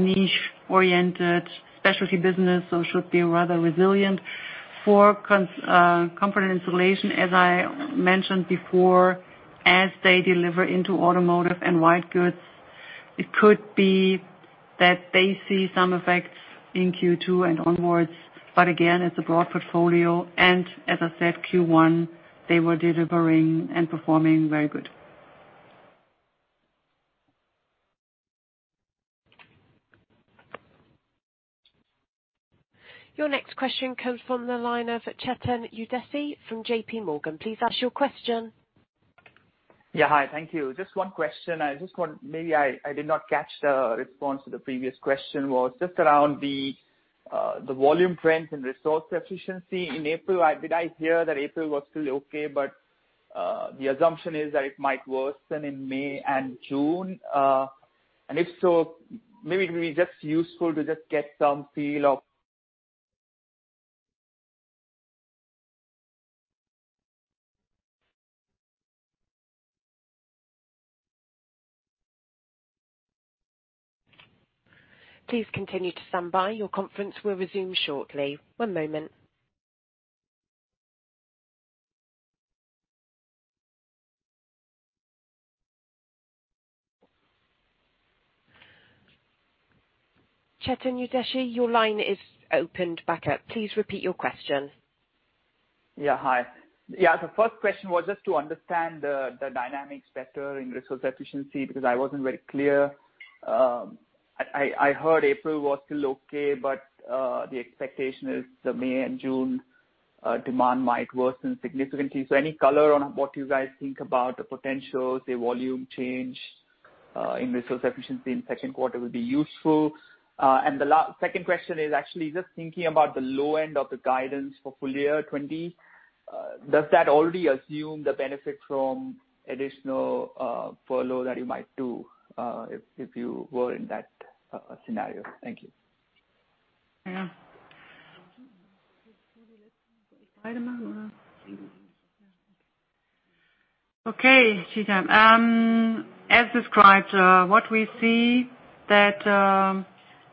niche-oriented specialty business, so should be rather resilient. For Comfort & Insulation, as I mentioned before, as they deliver into automotive and white goods, it could be that they see some effects in Q2 and onwards, but again, it's a broad portfolio, and as I said, Q1, they were delivering and performing very good. Your next question comes from the line of Chetan Udeshi from JPMorgan. Please ask your question. Yeah. Hi. Thank you. Just one question. Maybe I did not catch the response to the previous question, was just around the volume trends and Resource Efficiency in April. Did I hear that April was still okay, but the assumption is that it might worsen in May and June? If so, maybe it would be just useful to just get some feel of. Please continue to stand by. Your conference will resume shortly. One moment. Chetan Udeshi, your line is opened back up. Please repeat your question. Hi. The first question was just to understand the dynamics better in Resource Efficiency, because I wasn't very clear. I heard April was still okay. The expectation is the May and June demand might worsen significantly. Any color on what you guys think about the potential, say, volume change in Resource Efficiency in second quarter would be useful. The second question is actually just thinking about the low end of the guidance for full year 2020. Does that already assume the benefit from additional furlough that you might do, if you were in that scenario? Thank you. Yeah. Okay, Chetan. As described, what we see that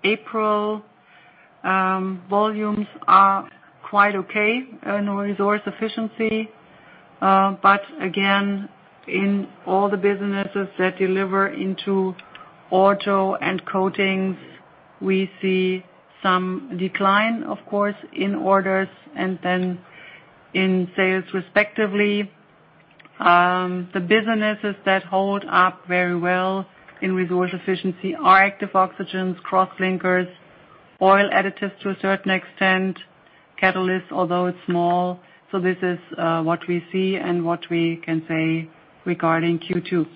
April volumes are quite okay in Resource Efficiency. Again, in all the businesses that deliver into auto and coatings, we see some decline, of course, in orders and then in sales respectively. The businesses that hold up very well in Resource Efficiency are Active Oxygens, Crosslinkers, Oil Additives to a certain extent, Catalysts, although it's small. This is what we see and what we can say regarding Q2.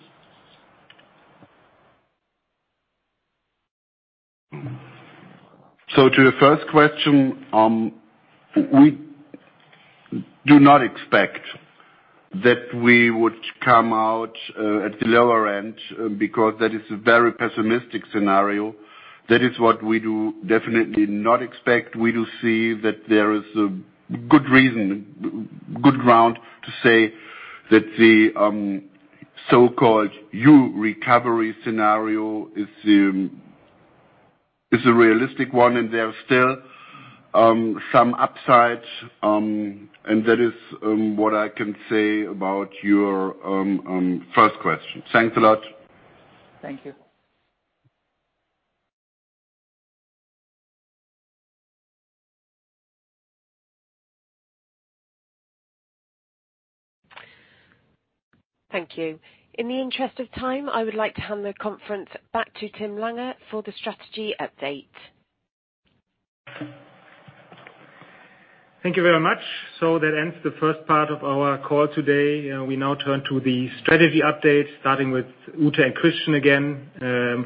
To the first question, we do not expect that we would come out at the lower end, because that is a very pessimistic scenario. That is what we do definitely not expect. We do see that there is a good reason, good ground to say that the so-called U recovery scenario is a realistic one, and there are still some upsides. That is what I can say about your first question. Thanks a lot. Thank you. Thank you. In the interest of time, I would like to hand the conference back to Tim Lange for the strategy update. Thank you very much. That ends the first part of our call today. We now turn to the strategy update, starting with Ute and Christian again,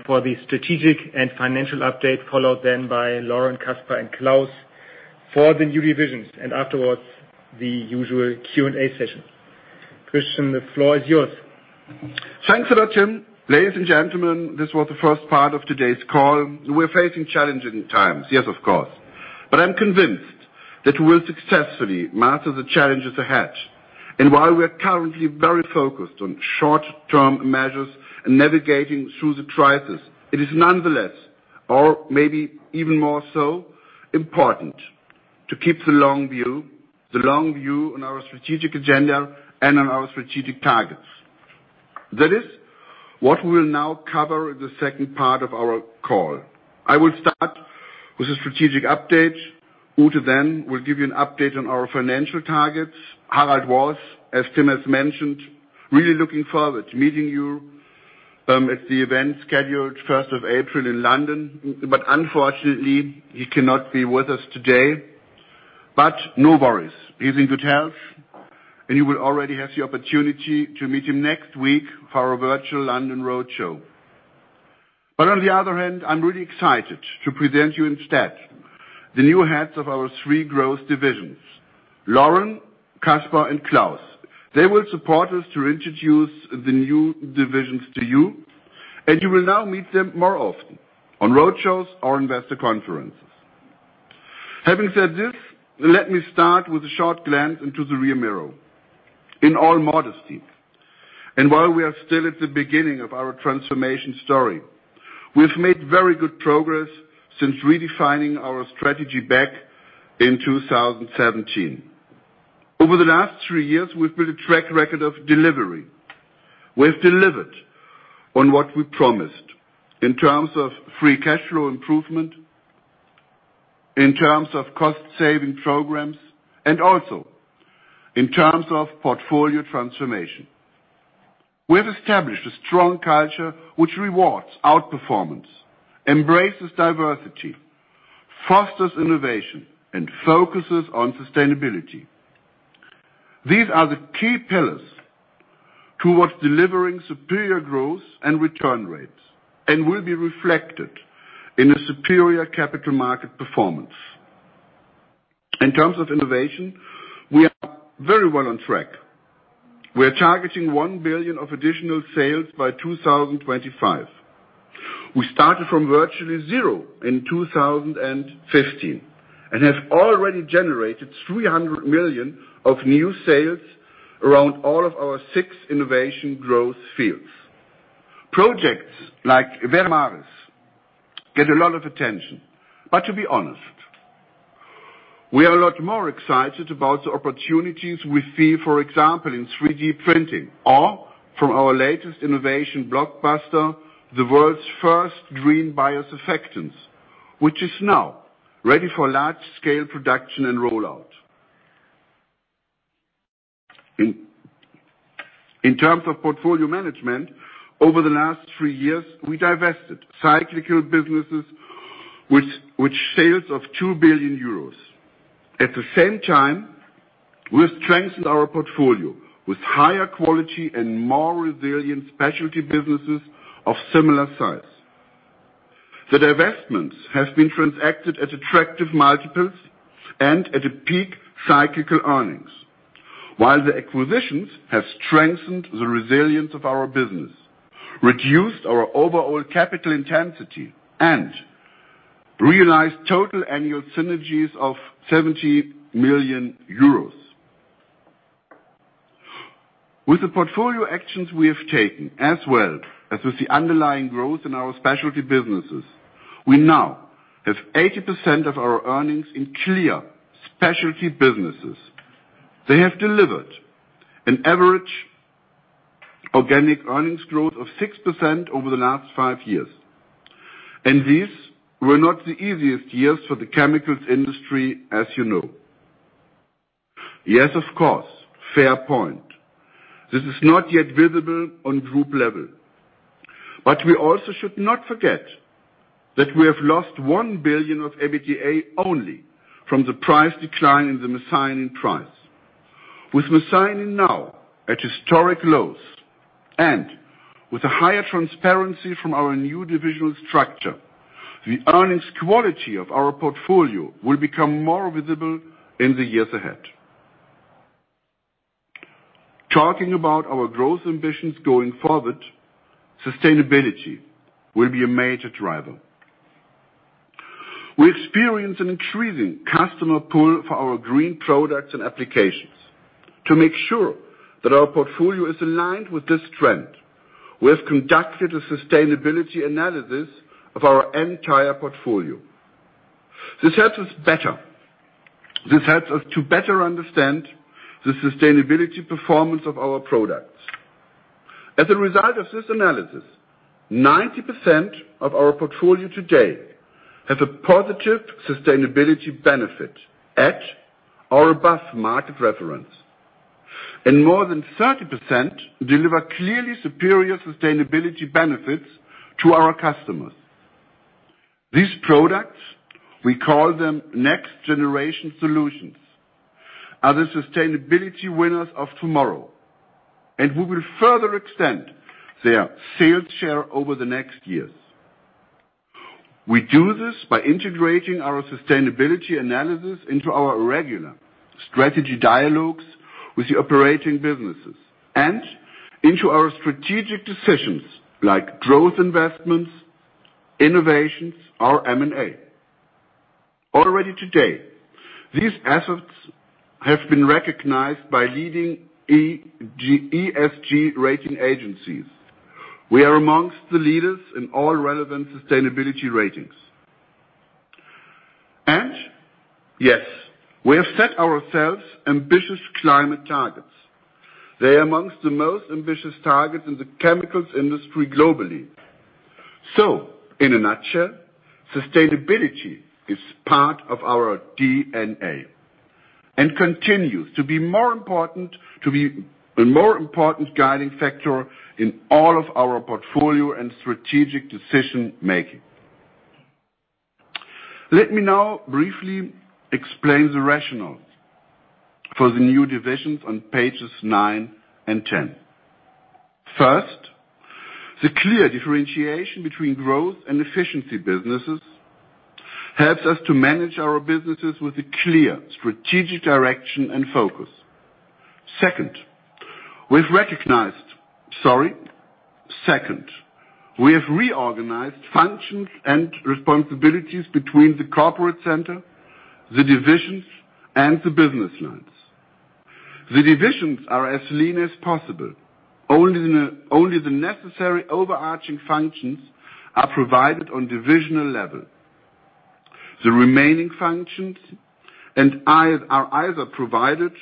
for the strategic and financial update, followed then by Lauren, Caspar, and Claus for the new divisions, and afterwards, the usual Q&A session. Christian, the floor is yours. Thanks a lot, Tim. Ladies and gentlemen, this was the first part of today's call. We're facing challenging times, yes, of course. I'm convinced that we'll successfully master the challenges ahead. While we are currently very focused on short-term measures and navigating through the crisis, it is nonetheless, or maybe even more so, important to keep the long view on our strategic agenda and on our strategic targets. That is what we will now cover in the second part of our call. I will start with a strategic update. Ute will give you an update on our financial targets. Harald Schwager, as Tim has mentioned, really looking forward to meeting you at the event scheduled 1st of April in London. Unfortunately, he cannot be with us today. No worries. He's in good health, you will already have the opportunity to meet him next week for our virtual London roadshow. On the other hand, I'm really excited to present you instead the new heads of our three growth divisions, Lauren, Caspar, and Claus. They will support us to introduce the new divisions to you will now meet them more often on roadshows or investor conferences. Having said this, let me start with a short glance into the rear mirror. In all modesty, and while we are still at the beginning of our transformation story, we've made very good progress since redefining our strategy back in 2017. Over the last three years, we've built a track record of delivery. We've delivered on what we promised in terms of free cash flow improvement, in terms of cost-saving programs, and also in terms of portfolio transformation. We have established a strong culture which rewards outperformance, embraces diversity, fosters innovation, and focuses on sustainability. These are the key pillars towards delivering superior growth and return rates and will be reflected in a superior capital market performance. In terms of innovation, we are very well on track. We are targeting 1 billion of additional sales by 2025. We started from virtually zero in 2015 and have already generated 300 million of new sales around all of our six innovation growth fields. Projects like Veramaris get a lot of attention. To be honest, we are a lot more excited about the opportunities we see, for example, in 3D printing or from our latest innovation blockbuster, the world's first green biosurfactants, which is now ready for large-scale production and rollout. In terms of portfolio management, over the last three years, we divested cyclical businesses with sales of 2 billion euros. At the same time, we have strengthened our portfolio with higher quality and more resilient specialty businesses of similar size. The divestments have been transacted at attractive multiples and at peak cyclical earnings. While the acquisitions have strengthened the resilience of our business, reduced our overall capital intensity, and realized total annual synergies of 70 million euros. With the portfolio actions we have taken, as well as with the underlying growth in our specialty businesses, we now have 80% of our earnings in clear specialty businesses. They have delivered an average organic earnings growth of 6% over the last five years, and these were not the easiest years for the chemicals industry, as you know. Yes, of course. Fair point. We also should not forget that we have lost 1 billion of EBITDA only from the price decline in the methionine price. With methionine now at historic lows and with a higher transparency from our new divisional structure, the earnings quality of our portfolio will become more visible in the years ahead. Talking about our growth ambitions going forward, sustainability will be a major driver. We experience an increasing customer pull for our green products and applications. To make sure that our portfolio is aligned with this trend, we have conducted a sustainability analysis of our entire portfolio. This helps us to better understand the sustainability performance of our products. As a result of this analysis, 90% of our portfolio today has a positive sustainability benefit at our above-market reference, and more than 30% deliver clearly superior sustainability benefits to our customers. These products, we call them next-generation solutions, are the sustainability winners of tomorrow. We will further extend their sales share over the next years. We do this by integrating our sustainability analysis into our regular strategy dialogues with the operating businesses and into our strategic decisions like growth investments, innovations, or M&A. Already today, these efforts have been recognized by leading ESG rating agencies. We are amongst the leaders in all relevant sustainability ratings. Yes, we have set ourselves ambitious climate targets. They are amongst the most ambitious targets in the chemicals industry globally. In a nutshell, sustainability is part of our DNA and continues to be a more important guiding factor in all of our portfolio and strategic decision-making. Let me now briefly explain the rationales for the new divisions on pages nine and 10. First, the clear differentiation between growth and efficiency businesses helps us to manage our businesses with a clear strategic direction and focus. Second, we have reorganized functions and responsibilities between the corporate center, the divisions, and the business lines. The divisions are as lean as possible. Only the necessary overarching functions are provided on divisional level. The remaining functions are either provided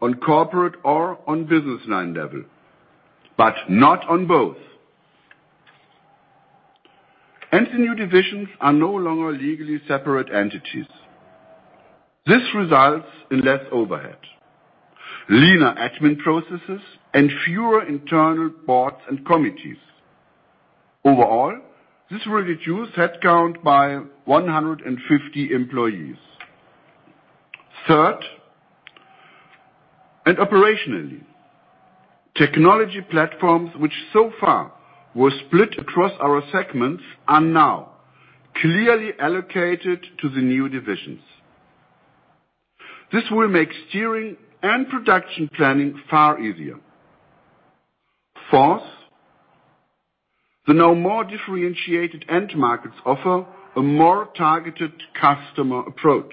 on corporate or on business line level, but not on both. The new divisions are no longer legally separate entities. This results in less overhead, leaner admin processes, and fewer internal boards and committees. Overall, this will reduce headcount by 150 employees. Third, operationally, technology platforms which so far were split across our segments are now clearly allocated to the new divisions. This will make steering and production planning far easier. Fourth, the now more differentiated end markets offer a more targeted customer approach.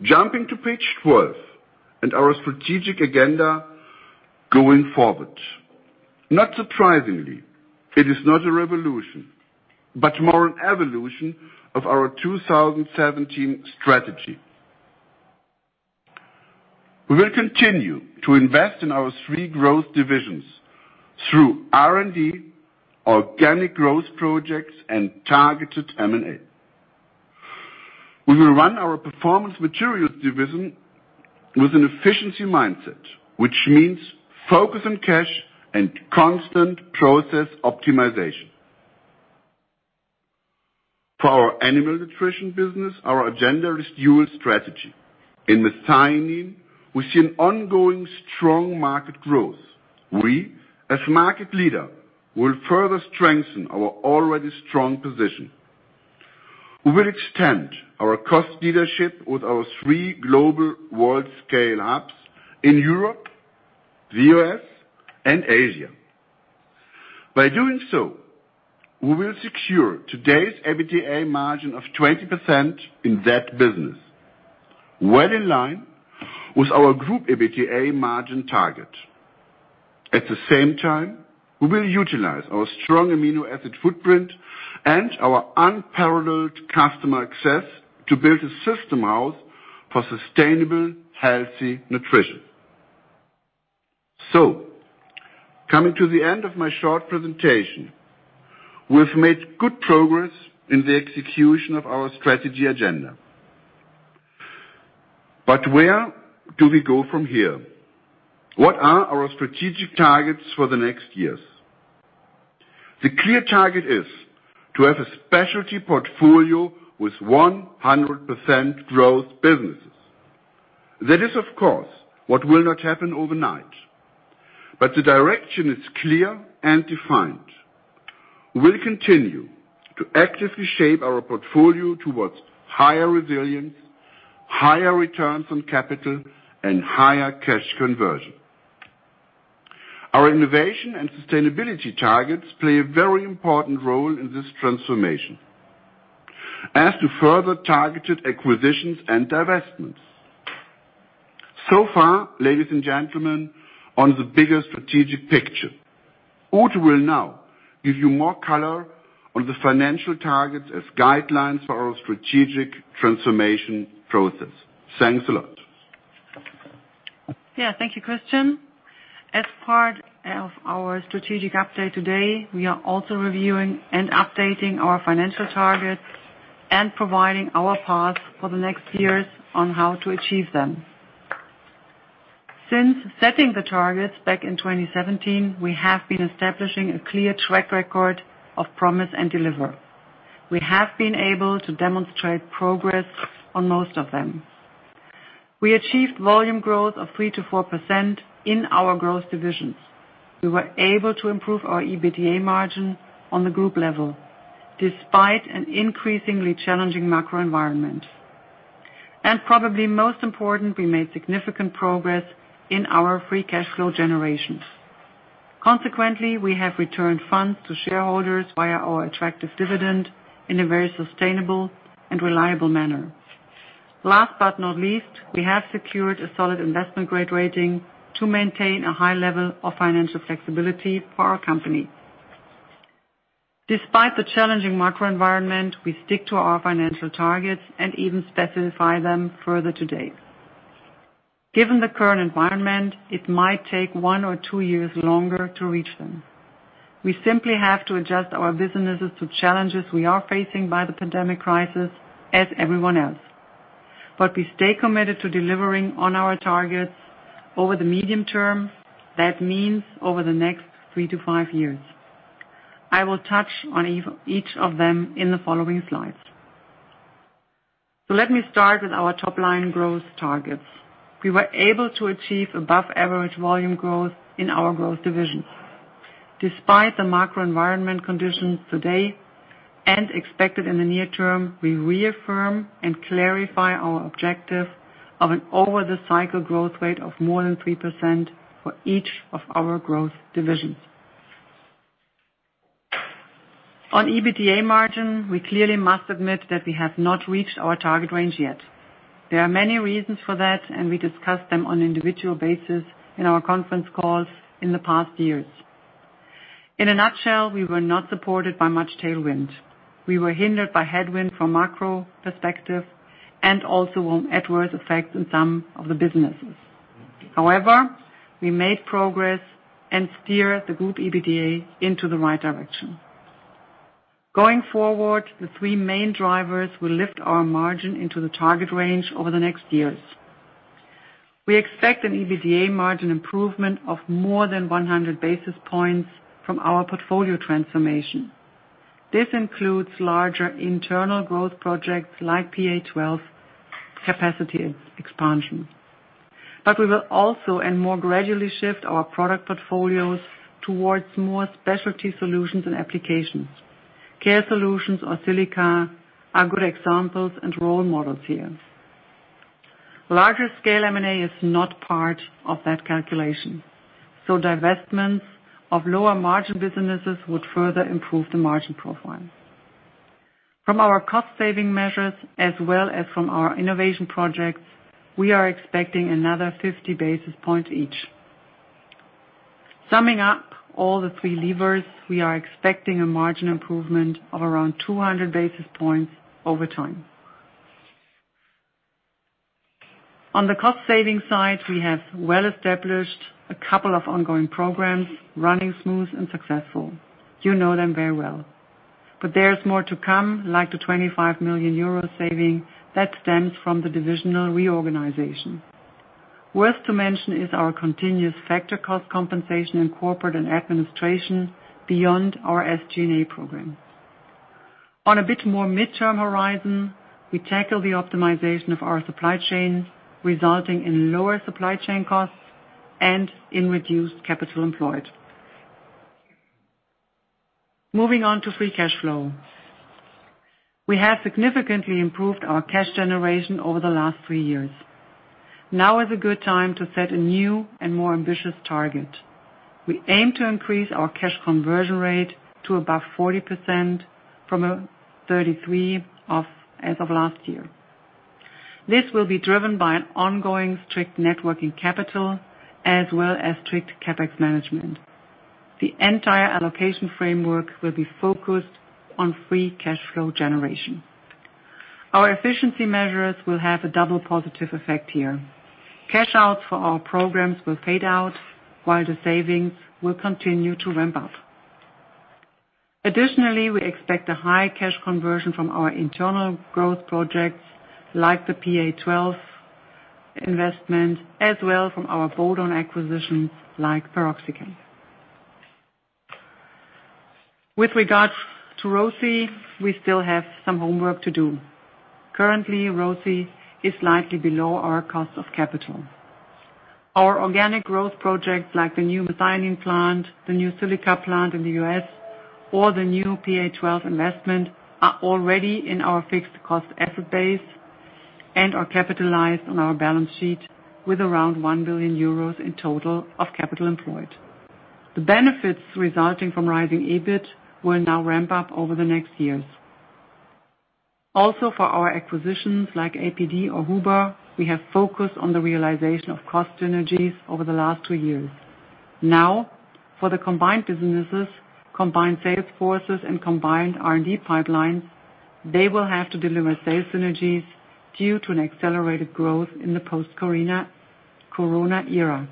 Jumping to page 12 and our strategic agenda going forward. Not surprisingly, it is not a revolution, but more an evolution of our 2017 strategy. We will continue to invest in our three growth divisions through R&D, organic growth projects, and targeted M&A. We will run our Performance Materials division with an efficiency mindset, which means focus on cash and constant process optimization. For our Animal Nutrition business, our agenda is dual strategy. In methionine, we see an ongoing strong market growth. We, as market leader, will further strengthen our already strong position. We will extend our cost leadership with our three global world-scale hubs in Europe, the U.S., and Asia. By doing so, we will secure today's EBITDA margin of 20% in that business, well in line with our group EBITDA margin target. At the same time, we will utilize our strong amino acid footprint and our unparalleled customer access to build a system house for sustainable, healthy nutrition. Coming to the end of my short presentation, we've made good progress in the execution of our strategy agenda. Where do we go from here? What are our strategic targets for the next years? The clear target is to have a specialty portfolio with 100% growth businesses. That is, of course, what will not happen overnight. The direction is clear and defined. We'll continue to actively shape our portfolio towards higher resilience, higher returns on capital, and higher cash conversion. Our innovation and sustainability targets play a very important role in this transformation as to further targeted acquisitions and divestments. So far, ladies and gentlemen, on the bigger strategic picture, Ute will now give you more color on the financial targets as guidelines for our strategic transformation process. Thanks a lot. Thank you, Christian. As part of our strategic update today, we are also reviewing and updating our financial targets and providing our path for the next years on how to achieve them. Since setting the targets back in 2017, we have been establishing a clear track record of promise and deliver. We have been able to demonstrate progress on most of them. We achieved volume growth of 3%-4% in our growth divisions. We were able to improve our EBITDA margin on the group level, despite an increasingly challenging macro environment. Probably most important, we made significant progress in our free cash flow generations. Consequently, we have returned funds to shareholders via our attractive dividend in a very sustainable and reliable manner. Last but not least, we have secured a solid investment-grade rating to maintain a high level of financial flexibility for our company. Despite the challenging macro environment, we stick to our financial targets and even specify them further today. Given the current environment, it might take one or two years longer to reach them. We simply have to adjust our businesses to challenges we are facing by the pandemic crisis as everyone else. We stay committed to delivering on our targets over the medium term. That means over the next three to five years. I will touch on each of them in the following slides. Let me start with our top-line growth targets. We were able to achieve above-average volume growth in our growth divisions. Despite the macro environment conditions today and expected in the near term, we reaffirm and clarify our objective of an over the cycle growth rate of more than 3% for each of our growth divisions. On EBITDA margin, we clearly must admit that we have not reached our target range yet. There are many reasons for that. We discussed them on individual basis in our conference calls in the past years. In a nutshell, we were not supported by much tailwind. We were hindered by headwind from macro perspective and also on adverse effects in some of the businesses. We made progress and steer the group EBITDA into the right direction. Going forward, the three main drivers will lift our margin into the target range over the next years. We expect an EBITDA margin improvement of more than 100 basis points from our portfolio transformation. This includes larger internal growth projects like PA12 capacity expansion. We will also and more gradually shift our product portfolios towards more specialty solutions and applications. Care Solutions or Silica are good examples and role models here. Larger scale M&A is not part of that calculation, so divestments of lower margin businesses would further improve the margin profile. From our cost saving measures as well as from our innovation projects, we are expecting another 50 basis points each. Summing up all the three levers, we are expecting a margin improvement of around 200 basis points over time. On the cost-saving side, we have well established a couple of ongoing programs running smooth and successful. You know them very well. There's more to come, like the 25 million euro saving that stems from the divisional reorganization. Worth to mention is our continuous factor cost compensation in corporate and administration beyond our SG&A program. On a bit more midterm horizon, we tackle the optimization of our supply chain, resulting in lower supply chain costs and in reduced capital employed. Moving on to free cash flow. We have significantly improved our cash generation over the last three years. Now is a good time to set a new and more ambitious target. We aim to increase our cash conversion rate to above 40% from 33% as of last year. This will be driven by an ongoing strict net working capital as well as strict CapEx management. The entire allocation framework will be focused on free cash flow generation. Our efficiency measures will have a double positive effect here. Cash outs for our programs will fade out, while the savings will continue to ramp up. Additionally, we expect a high cash conversion from our internal growth projects like the PA12 investment as well from our bolt-on acquisitions like PeroxyChem. With regards to ROCE, we still have some homework to do. Currently, ROCE is slightly below our cost of capital. Our organic growth projects like the new methionine plant, the new silica plant in the U.S., or the new PA12 investment are already in our fixed cost asset base and are capitalized on our balance sheet with around 1 billion euros in total of capital employed. The benefits resulting from rising EBIT will now ramp up over the next years. Also for our acquisitions like APD or Huber, we have focused on the realization of cost synergies over the last two years. For the combined businesses, combined sales forces, and combined R&D pipelines, they will have to deliver sales synergies due to an accelerated growth in the post-corona era.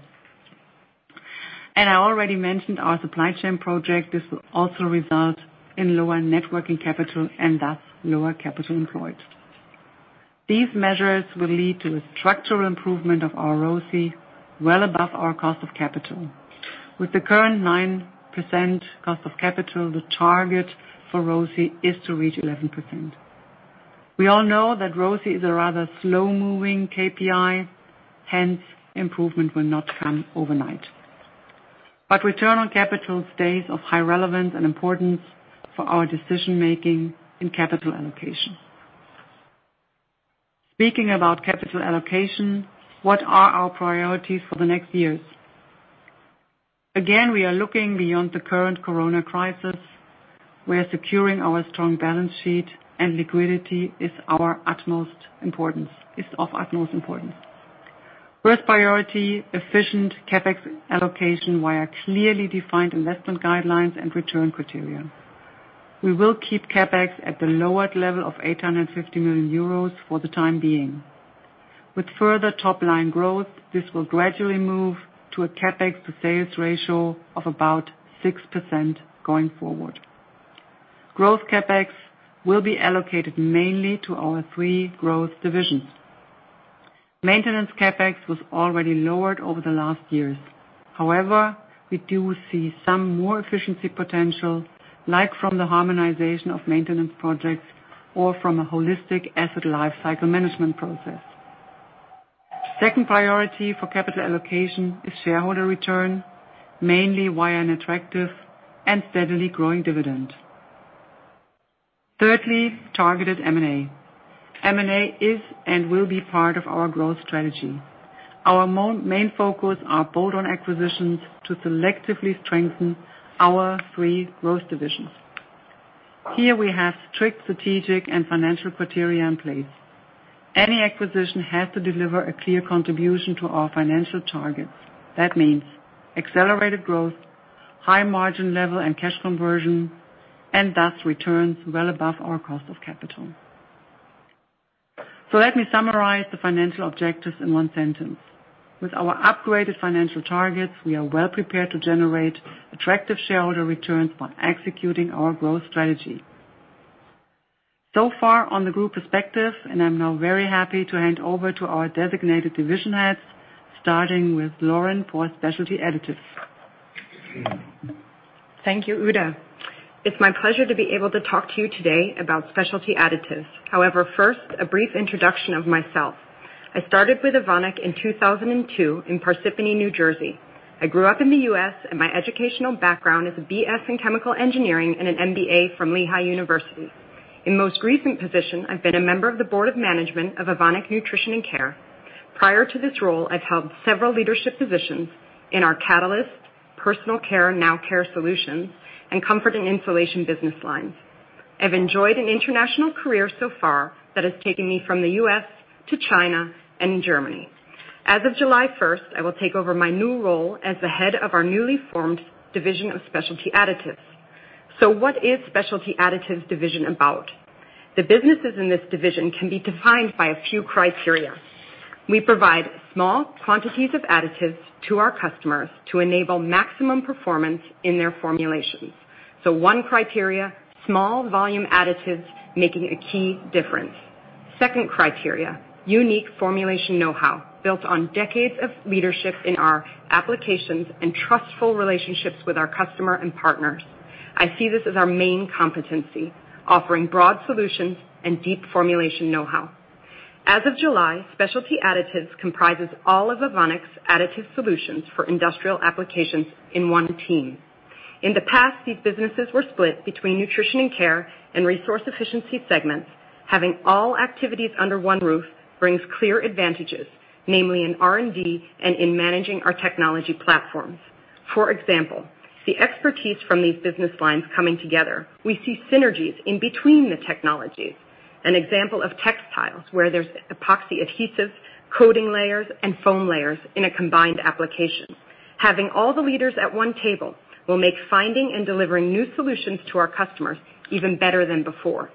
I already mentioned our supply chain project. This will also result in lower net working capital and thus lower capital employed. These measures will lead to a structural improvement of our ROCE well above our cost of capital. With the current 9% cost of capital, the target for ROCE is to reach 11%. We all know that ROCE is a rather slow-moving KPI, hence improvement will not come overnight. Return on capital stays of high relevance and importance for our decision-making in capital allocation. Speaking about capital allocation, what are our priorities for the next years? We are looking beyond the current corona crisis, where securing our strong balance sheet and liquidity is of utmost importance. First priority, efficient CapEx allocation via clearly defined investment guidelines and return criteria. We will keep CapEx at the lowered level of 850 million euros for the time being. With further top-line growth, this will gradually move to a CapEx to sales ratio of about 6% going forward. Growth CapEx will be allocated mainly to our three growth divisions. Maintenance CapEx was already lowered over the last years. However, we do see some more efficiency potential, like from the harmonization of maintenance projects or from a holistic asset lifecycle management process. Second priority for capital allocation is shareholder return, mainly via an attractive and steadily growing dividend. Thirdly, targeted M&A. M&A is and will be part of our growth strategy. Our main focus are bolt-on acquisitions to selectively strengthen our three growth divisions. Here we have strict strategic and financial criteria in place. Any acquisition has to deliver a clear contribution to our financial targets. That means accelerated growth, high margin level and cash conversion, and thus returns well above our cost of capital. Let me summarize the financial objectives in one sentence. With our upgraded financial targets, we are well prepared to generate attractive shareholder returns while executing our growth strategy. So far on the group perspective, and I am now very happy to hand over to our designated division heads, starting with Lauren for Specialty Additives. Thank you, Ute. It's my pleasure to be able to talk to you today about Specialty Additives. However, first, a brief introduction of myself. I started with Evonik in 2002 in Parsippany, New Jersey. I grew up in the U.S., and my educational background is a BS in Chemical Engineering and an MBA from Lehigh University. In most recent position, I've been a member of the Board of Management of Evonik Nutrition & Care. Prior to this role, I've held several leadership positions in our Catalysts, Personal Care, now Care Solutions, and Comfort & Insulation business lines. I've enjoyed an international career so far that has taken me from the U.S. to China and Germany. As of July 1st, I will take over my new role as the head of our newly formed division of Specialty Additives. What is Specialty Additives division about? The businesses in this division can be defined by a few criteria. We provide small quantities of additives to our customers to enable maximum performance in their formulations. One criteria, small volume additives making a key difference. Second criteria, unique formulation knowhow, built on decades of leadership in our applications and trustful relationships with our customer and partners. I see this as our main competency, offering broad solutions and deep formulation knowhow. As of July, Specialty Additives comprises all of Evonik's additive solutions for industrial applications in one team. In the past, these businesses were split between Nutrition & Care and Resource Efficiency segments. Having all activities under one roof brings clear advantages, namely in R&D and in managing our technology platforms. For example, the expertise from these business lines coming together, we see synergies in between the technologies. An example of textiles, where there's epoxy adhesive, coating layers, and foam layers in a combined application. Having all the leaders at one table will make finding and delivering new solutions to our customers even better than before.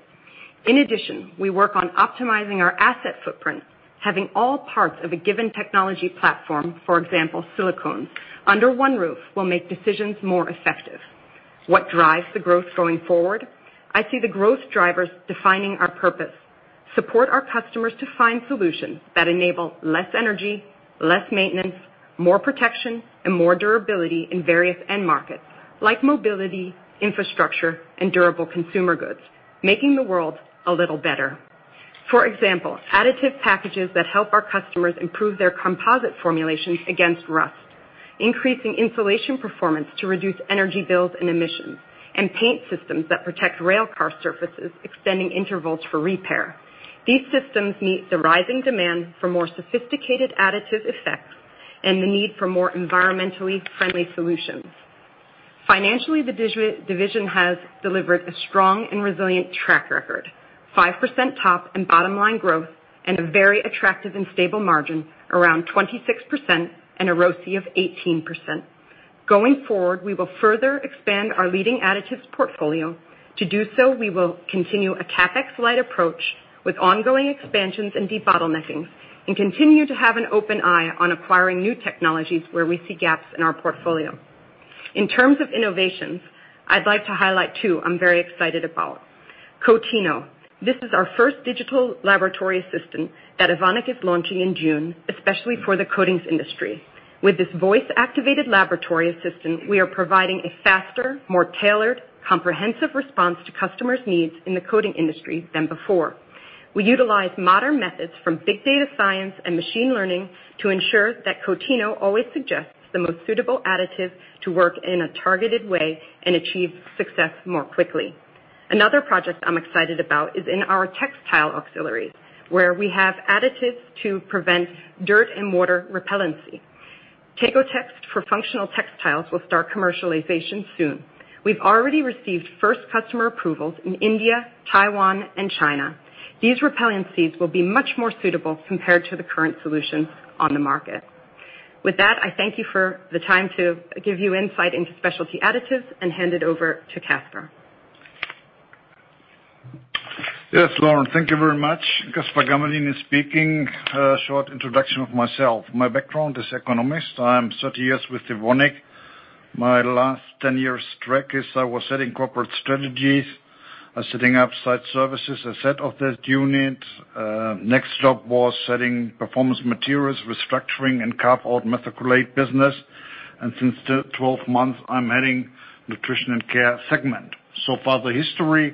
We work on optimizing our asset footprint. Having all parts of a given technology platform, for example, silicone, under one roof will make decisions more effective. What drives the growth going forward? I see the growth drivers defining our purpose. Support our customers to find solutions that enable less energy, less maintenance, more protection, and more durability in various end markets, like mobility, infrastructure, and durable consumer goods, making the world a little better. Additive packages that help our customers improve their composite formulations against rust, increasing insulation performance to reduce energy bills and emissions, and paint systems that protect rail car surfaces, extending intervals for repair. These systems meet the rising demand for more sophisticated additive effects and the need for more environmentally friendly solutions. Financially, the division has delivered a strong and resilient track record, 5% top and bottom-line growth, and a very attractive and stable margin around 26% and a ROCE of 18%. Going forward, we will further expand our leading additives portfolio. To do so, we will continue a CapEx-light approach with ongoing expansions and debottlenecking, and continue to have an open eye on acquiring new technologies where we see gaps in our portfolio. In terms of innovations, I'd like to highlight two I'm very excited about. COATINO™. This is our first digital laboratory assistant that Evonik is launching in June, especially for the coatings industry. With this voice-activated laboratory assistant, we are providing a faster, more tailored, comprehensive response to customers' needs in the coating industry than before. We utilize modern methods from big data science and machine learning to ensure that COATINO always suggests the most suitable additive to work in a targeted way and achieve success more quickly. Another project I'm excited about is in our textile auxiliaries, where we have additives to prevent dirt and water repellency. TEGOTEX for functional textiles will start commercialization soon. We've already received first customer approvals in India, Taiwan, and China. These repellencies will be much more suitable compared to the current solutions on the market. With that, I thank you for the time to give you insight into Specialty Additives and hand it over to Caspar. Yes, Lauren, thank you very much. Caspar Gammelin speaking. A short introduction of myself. My background is economist. I am 30 years with Evonik. My last 10 years track is I was heading corporate strategies, setting up site services, a set of that unit. Next job was setting Performance Materials, restructuring, and carve out methacrylate business. Since 12 months, I'm heading Nutrition & Care segment. So far the history,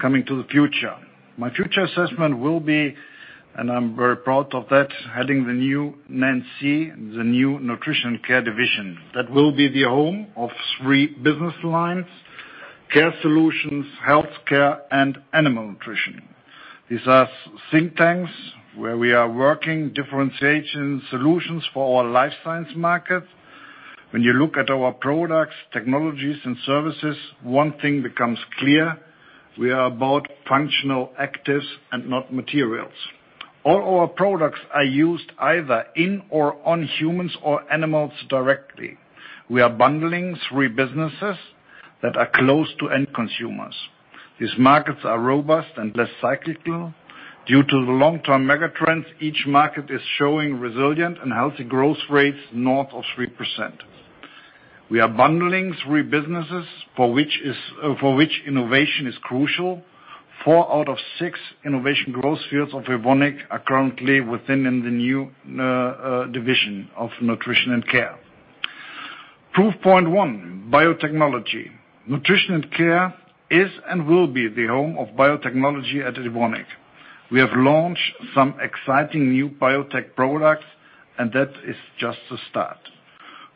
coming to the future. My future assessment will be, and I'm very proud of that, heading the new N&C, the new Nutrition & Care division. That will be the home of three business lines, Care Solutions, Health Care, and Animal Nutrition. These are think tanks where we are working differentiation solutions for our life science market. When you look at our products, technologies, and services, one thing becomes clear. We are about functional actives and not materials. All our products are used either in or on humans or animals directly. We are bundling three businesses that are close to end consumers. These markets are robust and less cyclical. Due to the long-term mega trends, each market is showing resilient and healthy growth rates north of 3%. We are bundling three businesses for which innovation is crucial. Four out of six innovation growth fields of Evonik are currently within the new division of Nutrition & Care. Proof point one, biotechnology. Nutrition & Care is and will be the home of biotechnology at Evonik. We have launched some exciting new biotech products, and that is just the start.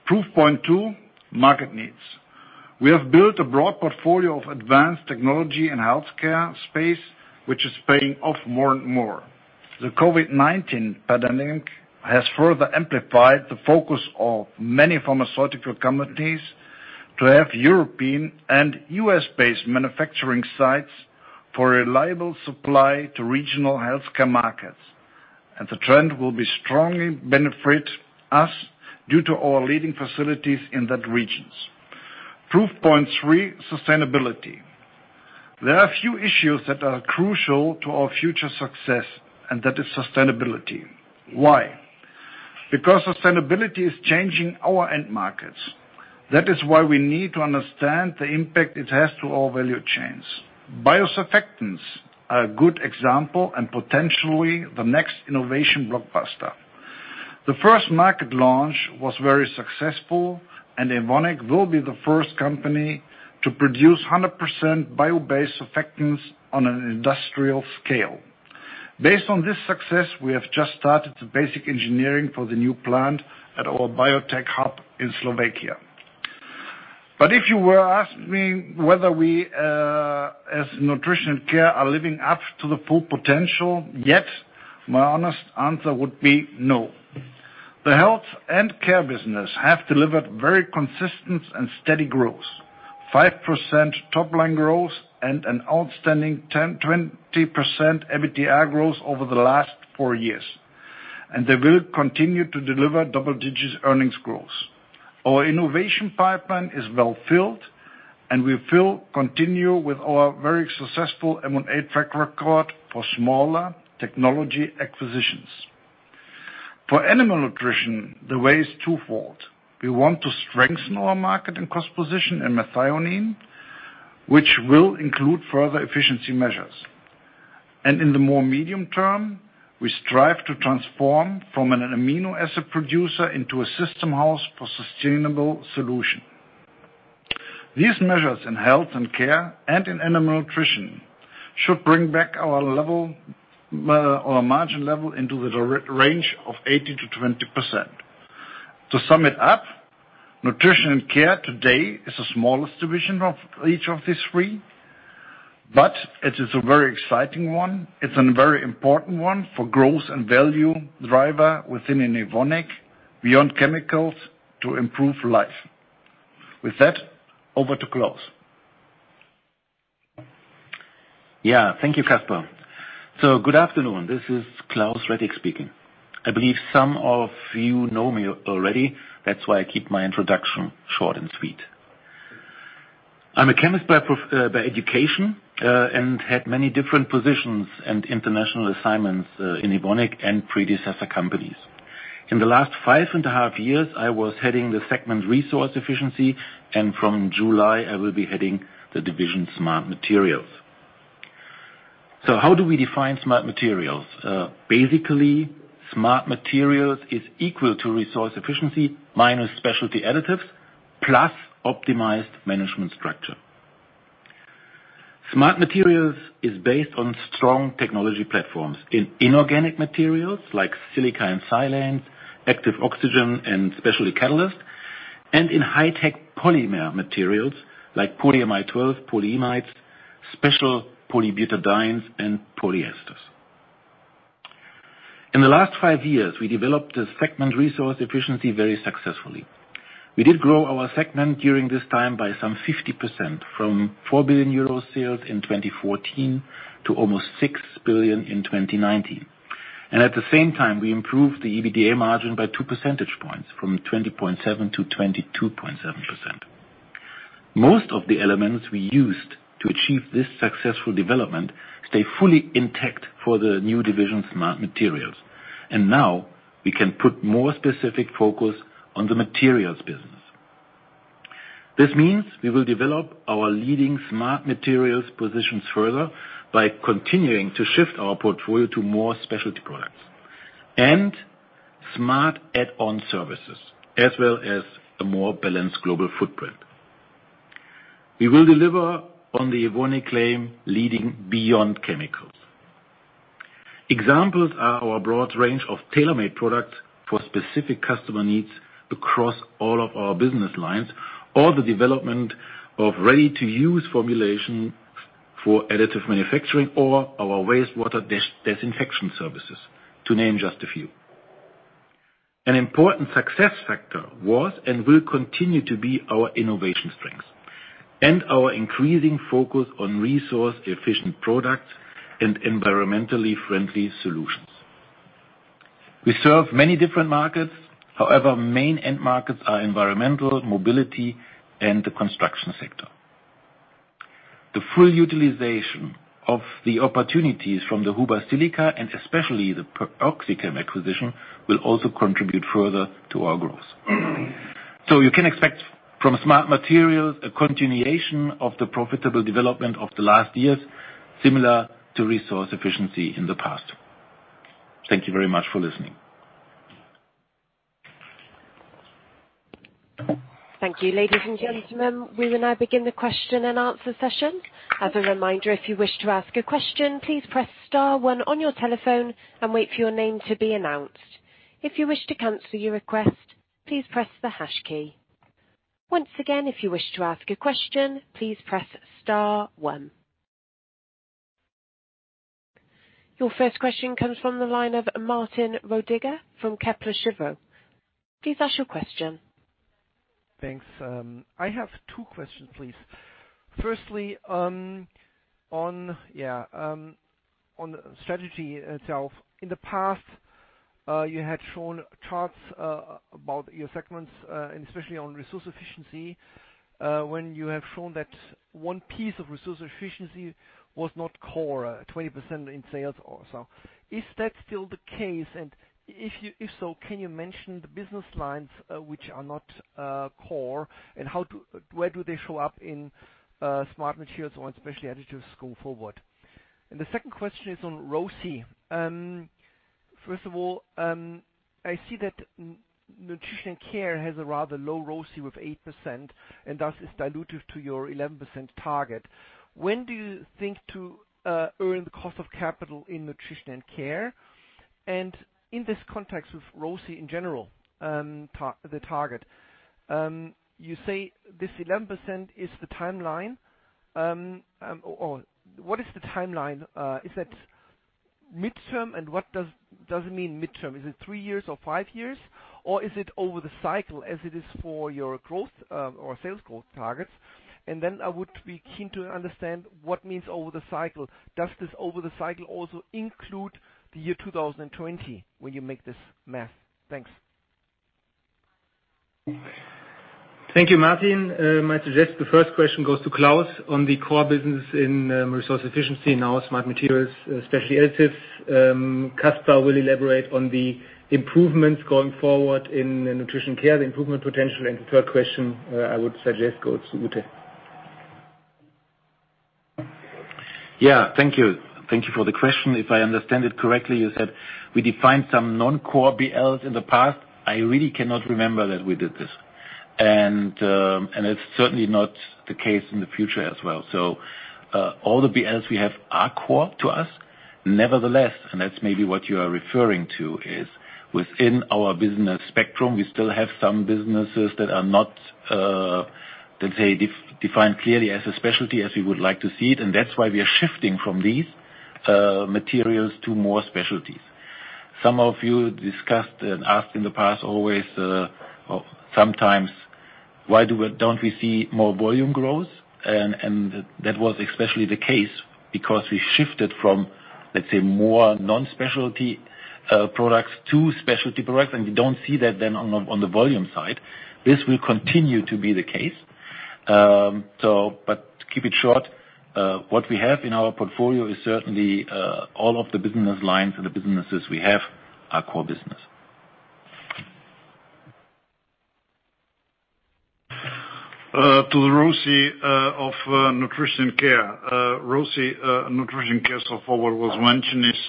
Proof point two, market needs. We have built a broad portfolio of advanced technology and healthcare space, which is paying off more and more. The COVID-19 pandemic has further amplified the focus of many pharmaceutical companies to have European and U.S.-based manufacturing sites for reliable supply to regional healthcare markets. The trend will strongly benefit us due to our leading facilities in that regions. Proof point three, sustainability. There are a few issues that are crucial to our future success, and that is sustainability. Why? Because sustainability is changing our end markets. That is why we need to understand the impact it has to our value chains. Biosurfactants are a good example and potentially the next innovation blockbuster. The first market launch was very successful, and Evonik will be the first company to produce 100% bio-based surfactants on an industrial scale. Based on this success, we have just started the basic engineering for the new plant at our biotech hub in Slovakia. If you were asking me whether we, as Nutrition & Care, are living up to the full potential yet, my honest answer would be no. The health and care business have delivered very consistent and steady growth, 5% top-line growth, and an outstanding 20% EBITDA growth over the last four years. They will continue to deliver double digits earnings growth. Our innovation pipeline is well filled, and we will continue with our very successful M&A track record for smaller technology acquisitions. For Animal Nutrition, the way is twofold. We want to strengthen our market and cost position in methionine, which will include further efficiency measures. In the more medium term, we strive to transform from an amino acid producer into a system house for sustainable solution. These measures in Health and Care and in Animal Nutrition should bring back our margin level into the range of 18%-20%. To sum it up, Nutrition & Care today is the smallest division of each of these three, but it is a very exciting one. It's a very important one for growth and value driver within Evonik, beyond chemicals to improve life. With that, over to Claus. Yeah. Thank you, Caspar. Good afternoon. This is Claus Rettig speaking. I believe some of you know me already. That's why I keep my introduction short and sweet. I'm a chemist by education, and had many different positions and international assignments in Evonik and predecessor companies. In the last five and a half years, I was heading the segment Resource Efficiency, and from July, I will be heading the division Smart Materials. How do we define Smart Materials? Basically, Smart Materials is equal to Resource Efficiency, minus Specialty Additives, plus optimized management structure. Smart Materials is based on strong technology platforms in inorganic materials like silica and silanes, Active Oxygens and specialty Catalyst, and in high-tech polymer materials like Polyamide 12, polyimides, special polybutadienes, and polyesters. In the last five years, we developed the segment Resource Efficiency very successfully. We did grow our segment during this time by some 50%, from 4 billion euro sales in 2014 to almost 6 billion in 2019. At the same time, we improved the EBITDA margin by 2 percentage points, from 20.7% to 22.7%. Most of the elements we used to achieve this successful development stay fully intact for the new division, Smart Materials. Now we can put more specific focus on the materials business. This means we will develop our leading smart materials positions further by continuing to shift our portfolio to more specialty products and smart add-on services, as well as a more balanced global footprint. We will deliver on the Evonik claim, leading beyond chemicals. Examples are our broad range of tailor-made products for specific customer needs across all of our business lines, or the development of ready-to-use formulation for additive manufacturing, or our wastewater disinfection services, to name just a few. An important success factor was, and will continue to be our innovation strength and our increasing focus on resource-efficient products and environmentally friendly solutions. We serve many different markets. Main end markets are environmental, mobility, and the construction sector. The full utilization of the opportunities from the Huber Silica, and especially the PeroxyChem acquisition, will also contribute further to our growth. You can expect from Smart Materials a continuation of the profitable development of the last years, similar to Resource Efficiency in the past. Thank you very much for listening. Thank you. Ladies and gentlemen, we will now begin the question-and-answer session. As a reminder, if you wish to ask a question, please press star one on your telephone and wait for your name to be announced. If you wish to cancel your request, please press the hash key. Once again, if you wish to ask a question, please press star one. Your first question comes from the line of Martin Roediger from Kepler Cheuvreux. Please ask your question. Thanks. I have two questions, please. Firstly, on strategy itself. In the past, you had shown charts about your segments, and especially on Resource Efficiency, when you have shown that one piece of Resource Efficiency was not core, 20% in sales or so. Is that still the case? If so, can you mention the business lines which are not core, and where do they show up in Smart Materials or in Specialty Additives going forward? The second question is on ROCE. First of all, I see that Nutrition & Care has a rather low ROCE with 8%, and thus is dilutive to your 11% target. When do you think to earn the cost of capital in Nutrition & Care? In this context, with ROCE in general, the target, you say this 11% is the timeline. What is the timeline? Is that midterm, and what does it mean, midterm? Is it three years or five years, or is it over the cycle as it is for your growth or sales growth targets? I would be keen to understand what means over the cycle. Does this over the cycle also include the year 2020 when you make this math? Thanks. Thank you, Martin. I might suggest the first question goes to Claus on the core business in Resource Efficiency. Now, Smart Materials, especially additives. Caspar will elaborate on the improvements going forward in Nutrition & Care, the improvement potential. The third question, I would suggest goes to Ute. Thank you. Thank you for the question. If I understand it correctly, you said we defined some non-core BLs in the past. I really cannot remember that we did this. It's certainly not the case in the future as well. All the BLs we have are core to us. Nevertheless, and that's maybe what you are referring to is, within our business spectrum, we still have some businesses that are not, let's say, defined clearly as a specialty as we would like to see it. That's why we are shifting from these materials to more specialties. Some of you discussed and asked in the past always, sometimes, "Why don't we see more volume growth?" That was especially the case because we shifted from, let's say, more non-specialty products to specialty products. We don't see that then on the volume side. This will continue to be the case. To keep it short, what we have in our portfolio is certainly all of the business lines and the businesses we have are core business. To the ROCE of Nutrition & Care. ROCE Nutrition & Care so far what was mentioned is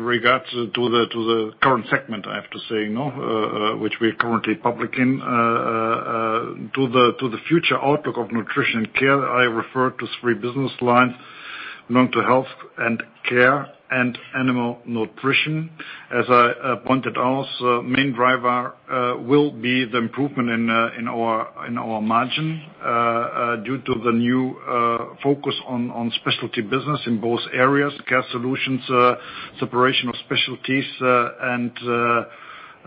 regards to the current segment, I have to say now, which we are currently public in. To the future outlook of Nutrition & Care, I refer to three business lines, Health and Care and Animal Nutrition. As I pointed out, main driver will be the improvement in our margin due to the new focus on specialty business in both areas. Care Solutions, separation of specialties, and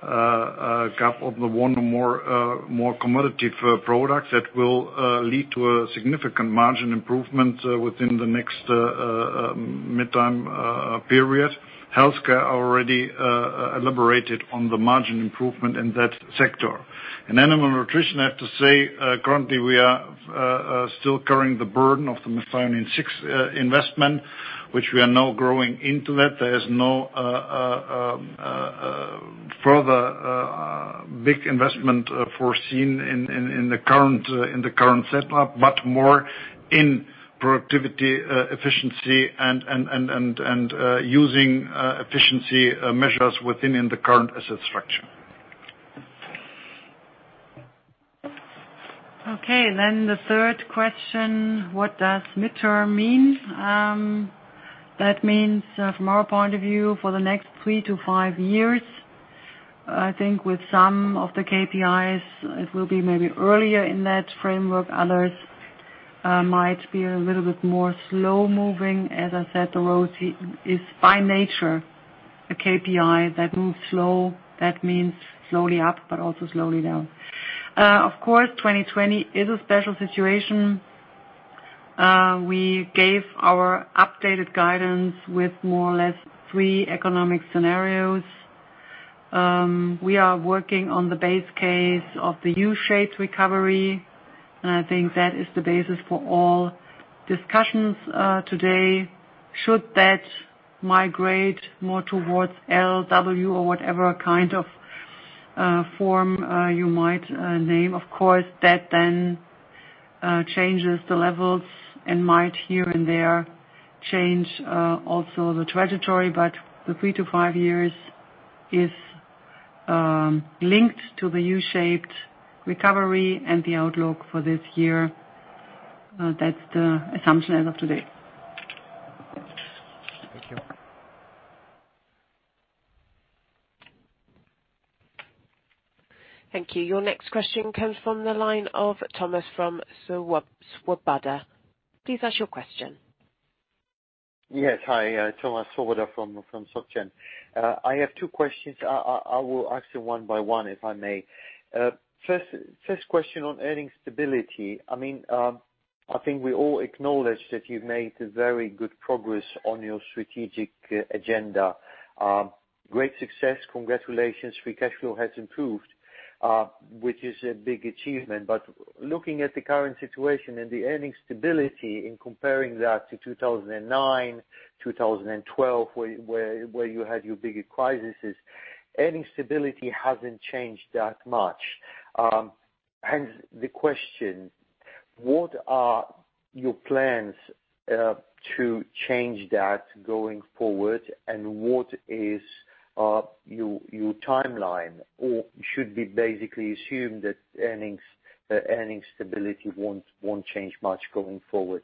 gap of the one or more commodity products that will lead to a significant margin improvement within the next midterm period. Health Care already elaborated on the margin improvement in that sector. In Animal Nutrition, I have to say, currently we are still carrying the burden of the Methionine 6 investment, which we are now growing into that. There is no further big investment foreseen in the current setup, but more in productivity, efficiency and using efficiency measures within the current asset structure. Okay. The third question, what does midterm mean? That means from our point of view, for the next three to five years. I think with some of the KPIs, it will be maybe earlier in that framework. Others. Might be a little bit more slow moving. As I said, the ROCE is by nature a KPI that moves slow. That means slowly up but also slowly down. Of course, 2020 is a special situation. We gave our updated guidance with more or less three economic scenarios. We are working on the base case of the U-shaped recovery, and I think that is the basis for all discussions today. Should that migrate more towards L, W or whatever kind of form you might name, of course, that then changes the levels and might here and there change also the trajectory. The three to five years is linked to the U-shaped recovery and the outlook for this year. That's the assumption as of today. Thank you. Thank you. Your next question comes from the line of Thomas from Swoboda. Please ask your question. Hi, Thomas Swoboda from SocGén. I have two questions. I will ask you one by one, if I may. First question on earning stability. I think we all acknowledge that you've made very good progress on your strategic agenda. Great success. Congratulations. Free cash flow has improved, which is a big achievement. Looking at the current situation and the earning stability in comparing that to 2009, 2012, where you had your bigger crises, earning stability hasn't changed that much. Hence, the question, what are your plans to change that going forward, and what is your timeline? Should we basically assume that earning stability won't change much going forward?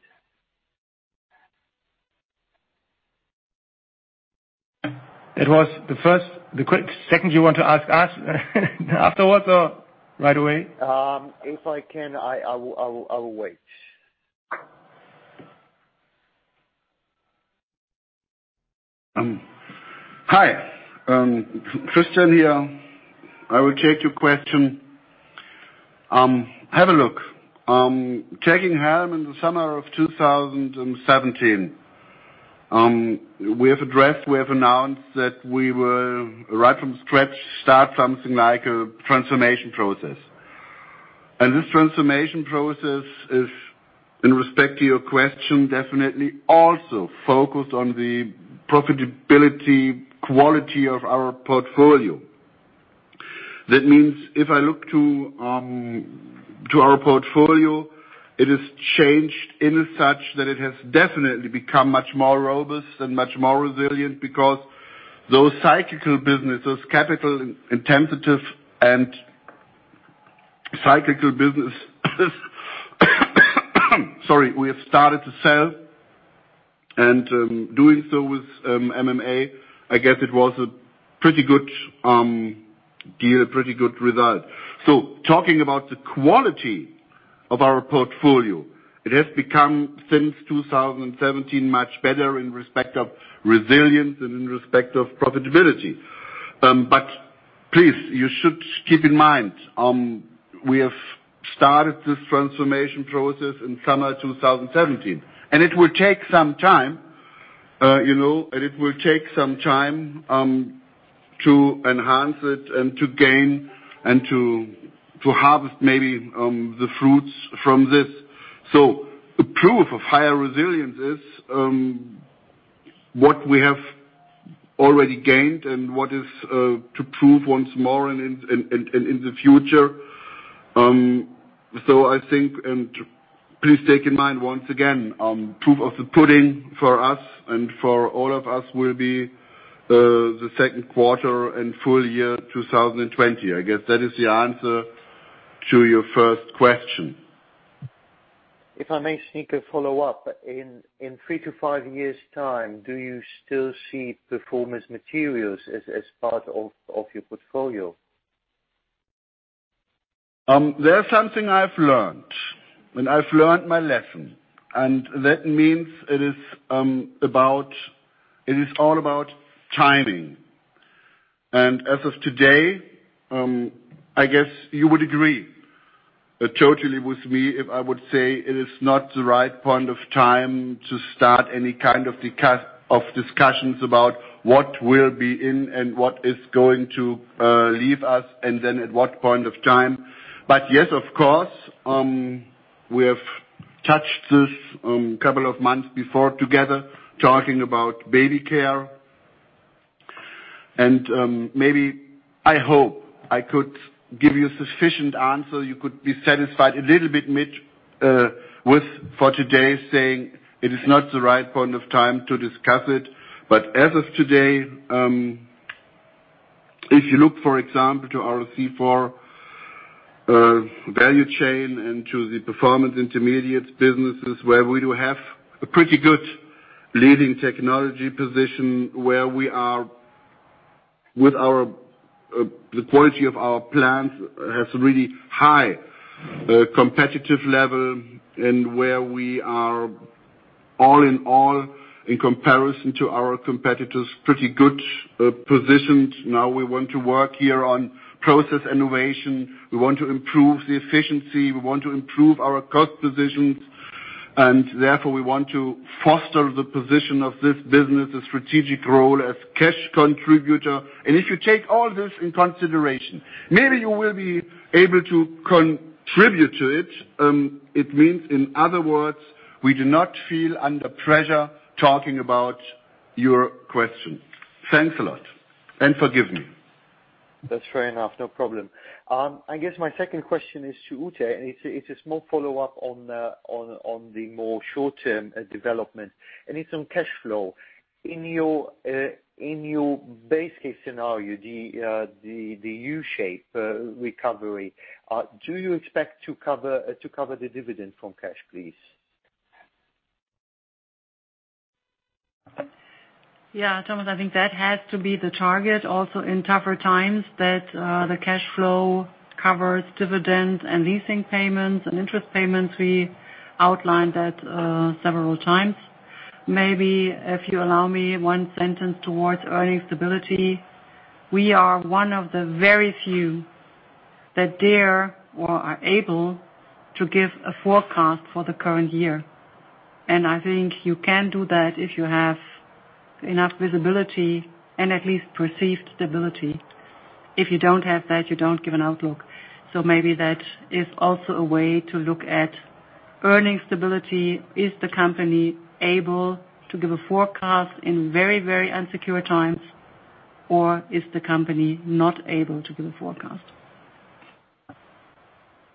That was the first. The quick second you want to ask us afterwards or right away? If I can, I will wait. Hi. Christian here. I will take your question. Have a look. Taking helm in the summer of 2017. We have announced that we will, right from scratch, start something like a transformation process. This transformation process is, in respect to your question, definitely also focused on the profitability quality of our portfolio. That means if I look to our portfolio, it has changed in as such that it has definitely become much more robust and much more resilient because those cyclical businesses, capital intensive and cyclical business, sorry, we have started to sell. Doing so with MMA, I guess it was a pretty good deal, pretty good result. Talking about the quality of our portfolio, it has become, since 2017, much better in respect of resilience and in respect of profitability. Please, you should keep in mind, we have started this transformation process in summer 2017, and it will take some time. It will take some time to enhance it and to gain and to harvest maybe the fruits from this. The proof of higher resilience is what we have already gained and what is to prove once more and in the future. I think, please take in mind once again, proof of the pudding for us and for all of us will be the second quarter and full year 2020. That is the answer to your first question. If I may sneak a follow-up. In three to five years' time, do you still see Performance Materials as part of your portfolio? There's something I've learned, and I've learned my lesson, and that means it is all about timing. As of today, I guess you would agree totally with me if I would say it is not the right point of time to start any kind of discussions about what will be in and what is going to leave us and then at what point of time. Yes, of course, we have touched this a couple of months before together, talking about Baby Care and maybe, I hope, I could give you a sufficient answer you could be satisfied a little bit, Mitch, with for today saying it is not the right point of time to discuss it. As of today, if you look, for example, to our C4 value chain and to the performance intermediate businesses where we do have a pretty good leading technology position, where the quality of our plants has really high competitive level, and where we are all in all, in comparison to our competitors, pretty good positioned. Now we want to work here on process innovation. We want to improve the efficiency. We want to improve our cost position, and therefore, we want to foster the position of this business, a strategic role as cash contributor. If you take all this in consideration, maybe you will be able to contribute to it. It means, in other words, we do not feel under pressure talking about your question. Thanks a lot, and forgive me. That's fair enough. No problem. I guess my second question is to Ute. It's a small follow-up on the more short-term development, and it's on cash flow. In your base case scenario, the U-shape recovery, do you expect to cover the dividend from cash please? Yeah, Thomas, I think that has to be the target also in tougher times, that the cash flow covers dividends and leasing payments and interest payments. We outlined that several times. Maybe if you allow me one sentence towards earning stability. We are one of the very few that dare or are able to give a forecast for the current year. I think you can do that if you have enough visibility and at least perceived stability. If you don't have that, you don't give an outlook. Maybe that is also a way to look at earning stability. Is the company able to give a forecast in very, very insecure times, or is the company not able to give a forecast?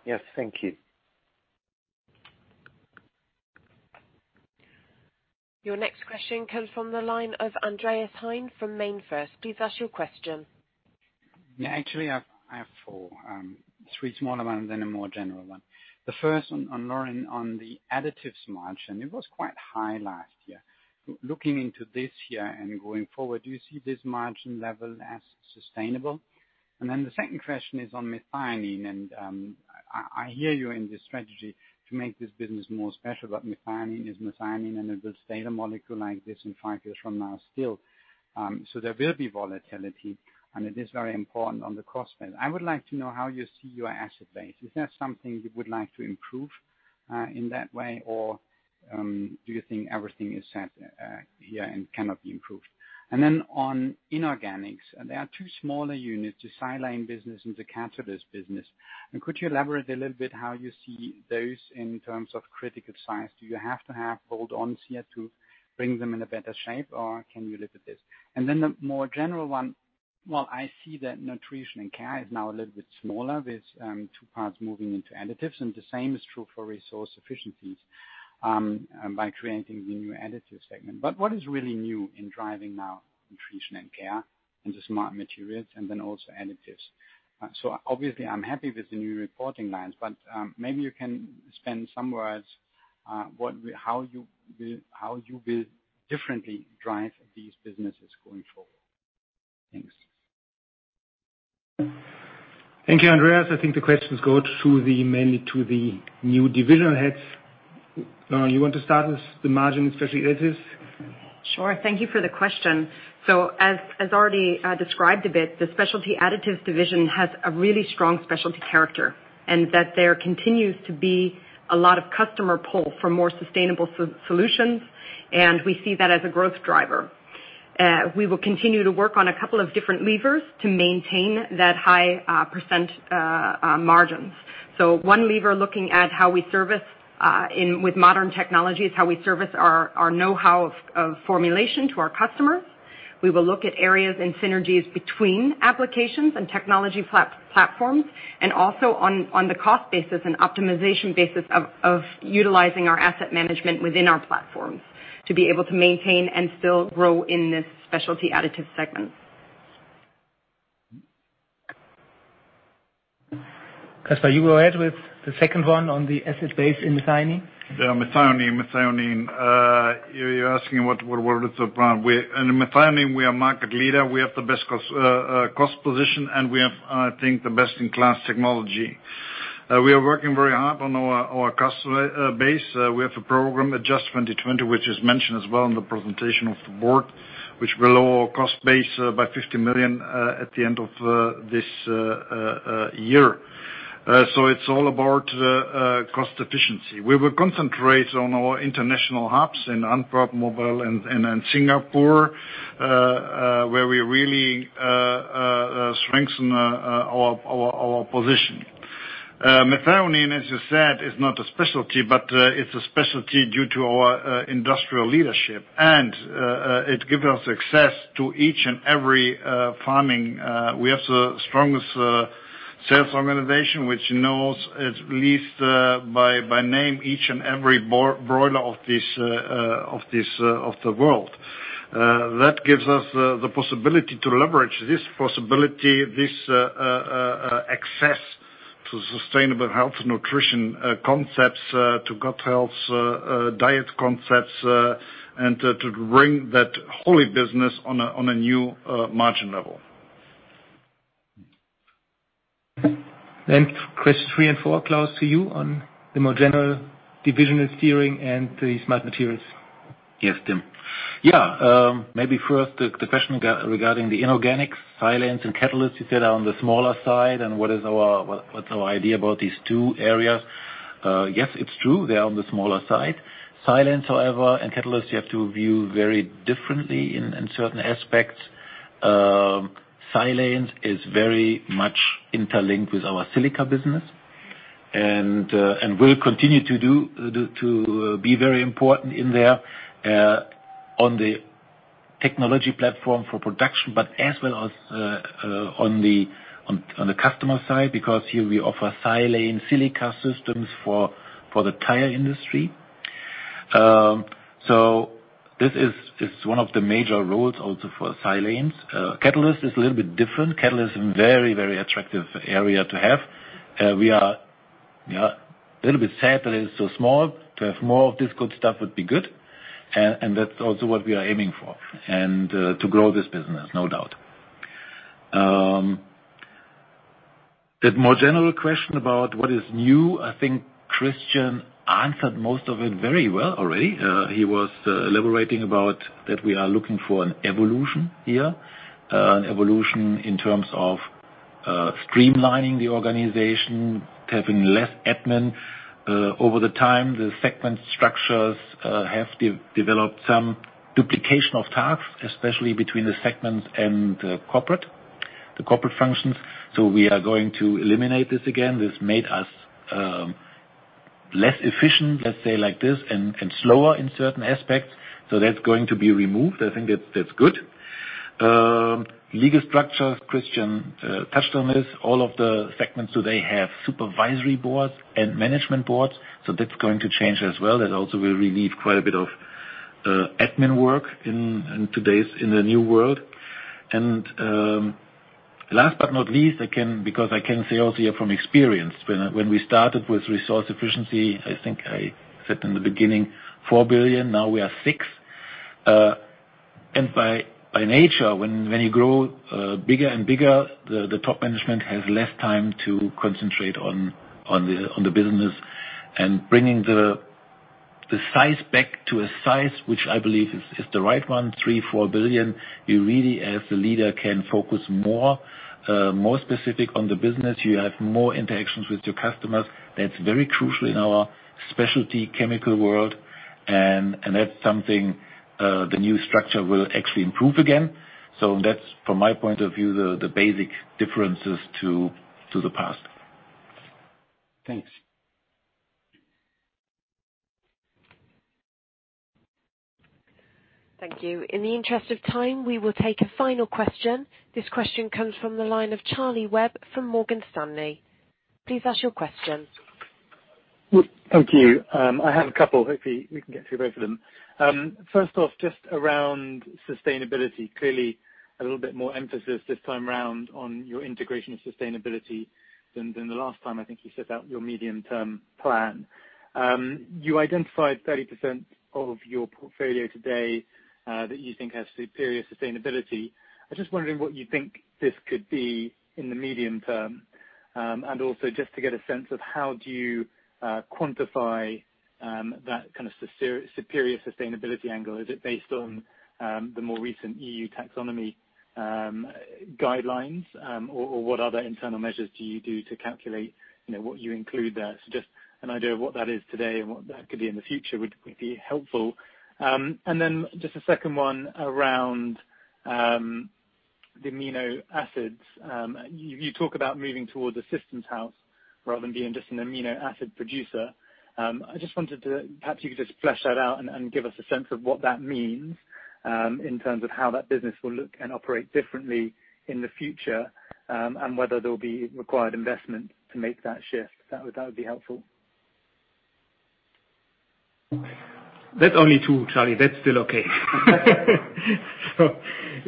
Yes. Thank you. Your next question comes from the line of Andreas Heine from MainFirst. Please ask your question. Yeah, actually, I have four. Three smaller ones and a more general one. The first on, Lauren, on the additives margin. It was quite high last year. Looking into this year and going forward, do you see this margin level as sustainable? Then the second question is on methionine. I hear you in this strategy to make this business more special, but methionine is methionine, and it will stay the molecule like this in five years from now still. There will be volatility, and it is very important on the cost side. I would like to know how you see your asset base. Is that something you would like to improve in that way, or do you think everything is set here and cannot be improved? Then on inorganics, there are two smaller units, the Silane business and the Catalysts business. Could you elaborate a little bit how you see those in terms of critical size? Do you have to have hold on here to bring them in a better shape, or can you live with this? Then the more general one, while I see that Nutrition & Care is now a little bit smaller with two parts moving into Additives, and the same is true for Resource Efficiency by creating the new Additives segment. What is really new in driving now Nutrition & Care into Smart Materials, and then also Additives? Obviously, I'm happy with the new reporting lines, but maybe you can spend some words how you will differently drive these businesses going forward. Thanks. Thank you, Andreas. I think the questions go mainly to the new division heads. Lauren, you want to start with the margin, Specialty Additives? Thank you for the question. As already described a bit, the Specialty Additives division has a really strong specialty character, and that there continues to be a lot of customer pull for more sustainable solutions, and we see that as a growth driver. We will continue to work on a couple of different levers to maintain that high percent margins. One lever looking at how we service with modern technologies, how we service our know-how of formulation to our customers. We will look at areas and synergies between applications and technology platforms, and also on the cost basis and optimization basis of utilizing our asset management within our platforms to be able to maintain and still grow in this Specialty Additives segment. Caspar, you go ahead with the second one on the asset base in methionine. Yeah, methionine. You're asking what is the plan. In methionine, we are market leader. We have the best cost position, and we have, I think, the best-in-class technology. We are working very hard on our customer base. We have a program, Adjust 2020, which is mentioned as well in the presentation of the Board, which will lower our cost base by 50 million at the end of this year. It's all about cost efficiency. We will concentrate on our international hubs in Antwerp, Mobile, and in Singapore, where we really strengthen our position. Methionine, as you said, is not a specialty, but it's a specialty due to our industrial leadership. It gives us access to each and every farming. We have the strongest sales organization, which knows at least by name each and every broiler of the world. That gives us the possibility to leverage this possibility, this access to sustainable health, nutrition concepts, to gut health diet concepts, and to bring that whole business on a new margin level. Questions three and four, Claus, to you on the more general divisional steering and the Smart Materials. Yes, Tim. Yeah. Maybe first, the question regarding the inorganics, silanes, and catalysts, you said are on the smaller side, what's our idea about these two areas. It's true, they are on the smaller side. Silanes, however, and catalysts, you have to view very differently in certain aspects. Silanes is very much interlinked with our Silica business and will continue to be very important in there, on the technology platform for production, but as well as on the customer side, because here we offer silane silica systems for the tire industry. This is one of the major roles also for silanes. Catalyst is a little bit different. Catalyst is a very attractive area to have. We are a little bit sad that it is so small. To have more of this good stuff would be good, and that's also what we are aiming for, and to grow this business, no doubt. The more general question about what is new, I think Christian answered most of it very well already. He was elaborating about that we are looking for an evolution here, an evolution in terms of streamlining the organization, having less admin. Over the time, the segment structures have developed some duplication of tasks, especially between the segments and the corporate functions. We are going to eliminate this again. This made us less efficient, let's say like this, and slower in certain aspects. That's going to be removed. I think that's good. Legal structures, Christian touched on this. All of the segments today have supervisory boards and management boards, so that's going to change as well. That also will relieve quite a bit of admin work in the new world. Last but not least, because I can say also here from experience, when we started with Resource Efficiency, I think I said in the beginning, 4 billion, now we are 6 billion. By nature, when you grow bigger and bigger, the top management has less time to concentrate on the business and bringing the size back to a size which I believe is the right one, 3 billion, 4 billion. You really, as the leader, can focus more specific on the business. You have more interactions with your customers. That's very crucial in our specialty chemical world, and that's something the new structure will actually improve again. That's, from my point of view, the basic differences to the past. Thanks. Thank you. In the interest of time, we will take a final question. This question comes from the line of Charlie Webb from Morgan Stanley. Please ask your question. Thank you. I have a couple. Hopefully, we can get through both of them. First off, just around sustainability. Clearly, a little bit more emphasis this time around on your integration of sustainability than the last time, I think, you set out your medium-term plan. You identified 30% of your portfolio today that you think has superior sustainability. I'm just wondering what you think this could be in the medium term, and also just to get a sense of how do you quantify that kind of superior sustainability angle. Is it based on the more recent E.U. taxonomy guidelines? What other internal measures do you do to calculate what you include there? Just an idea of what that is today and what that could be in the future would be helpful. Just a second one around the amino acids. You talk about moving towards a systems house rather than being just an amino acid producer. I just wanted to, perhaps you could just flesh that out and give us a sense of what that means, in terms of how that business will look and operate differently in the future, and whether there will be required investment to make that shift. That would be helpful. That's only two, Charlie. That's still okay.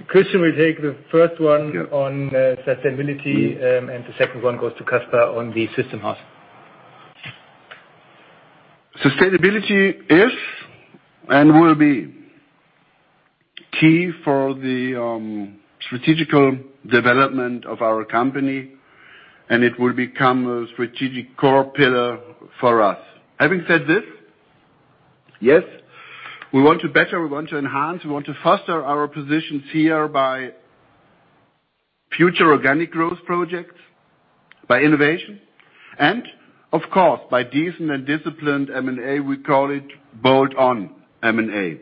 Christian will take the first one on sustainability, and the second one goes to Caspar on the system house. Sustainability is and will be key for the strategical development of our company. It will become a strategic core pillar for us. Having said this, yes, we want to better, we want to enhance, we want to foster our positions here by future organic growth projects, by innovation, and of course, by decent and disciplined M&A. We call it bolt-on M&A.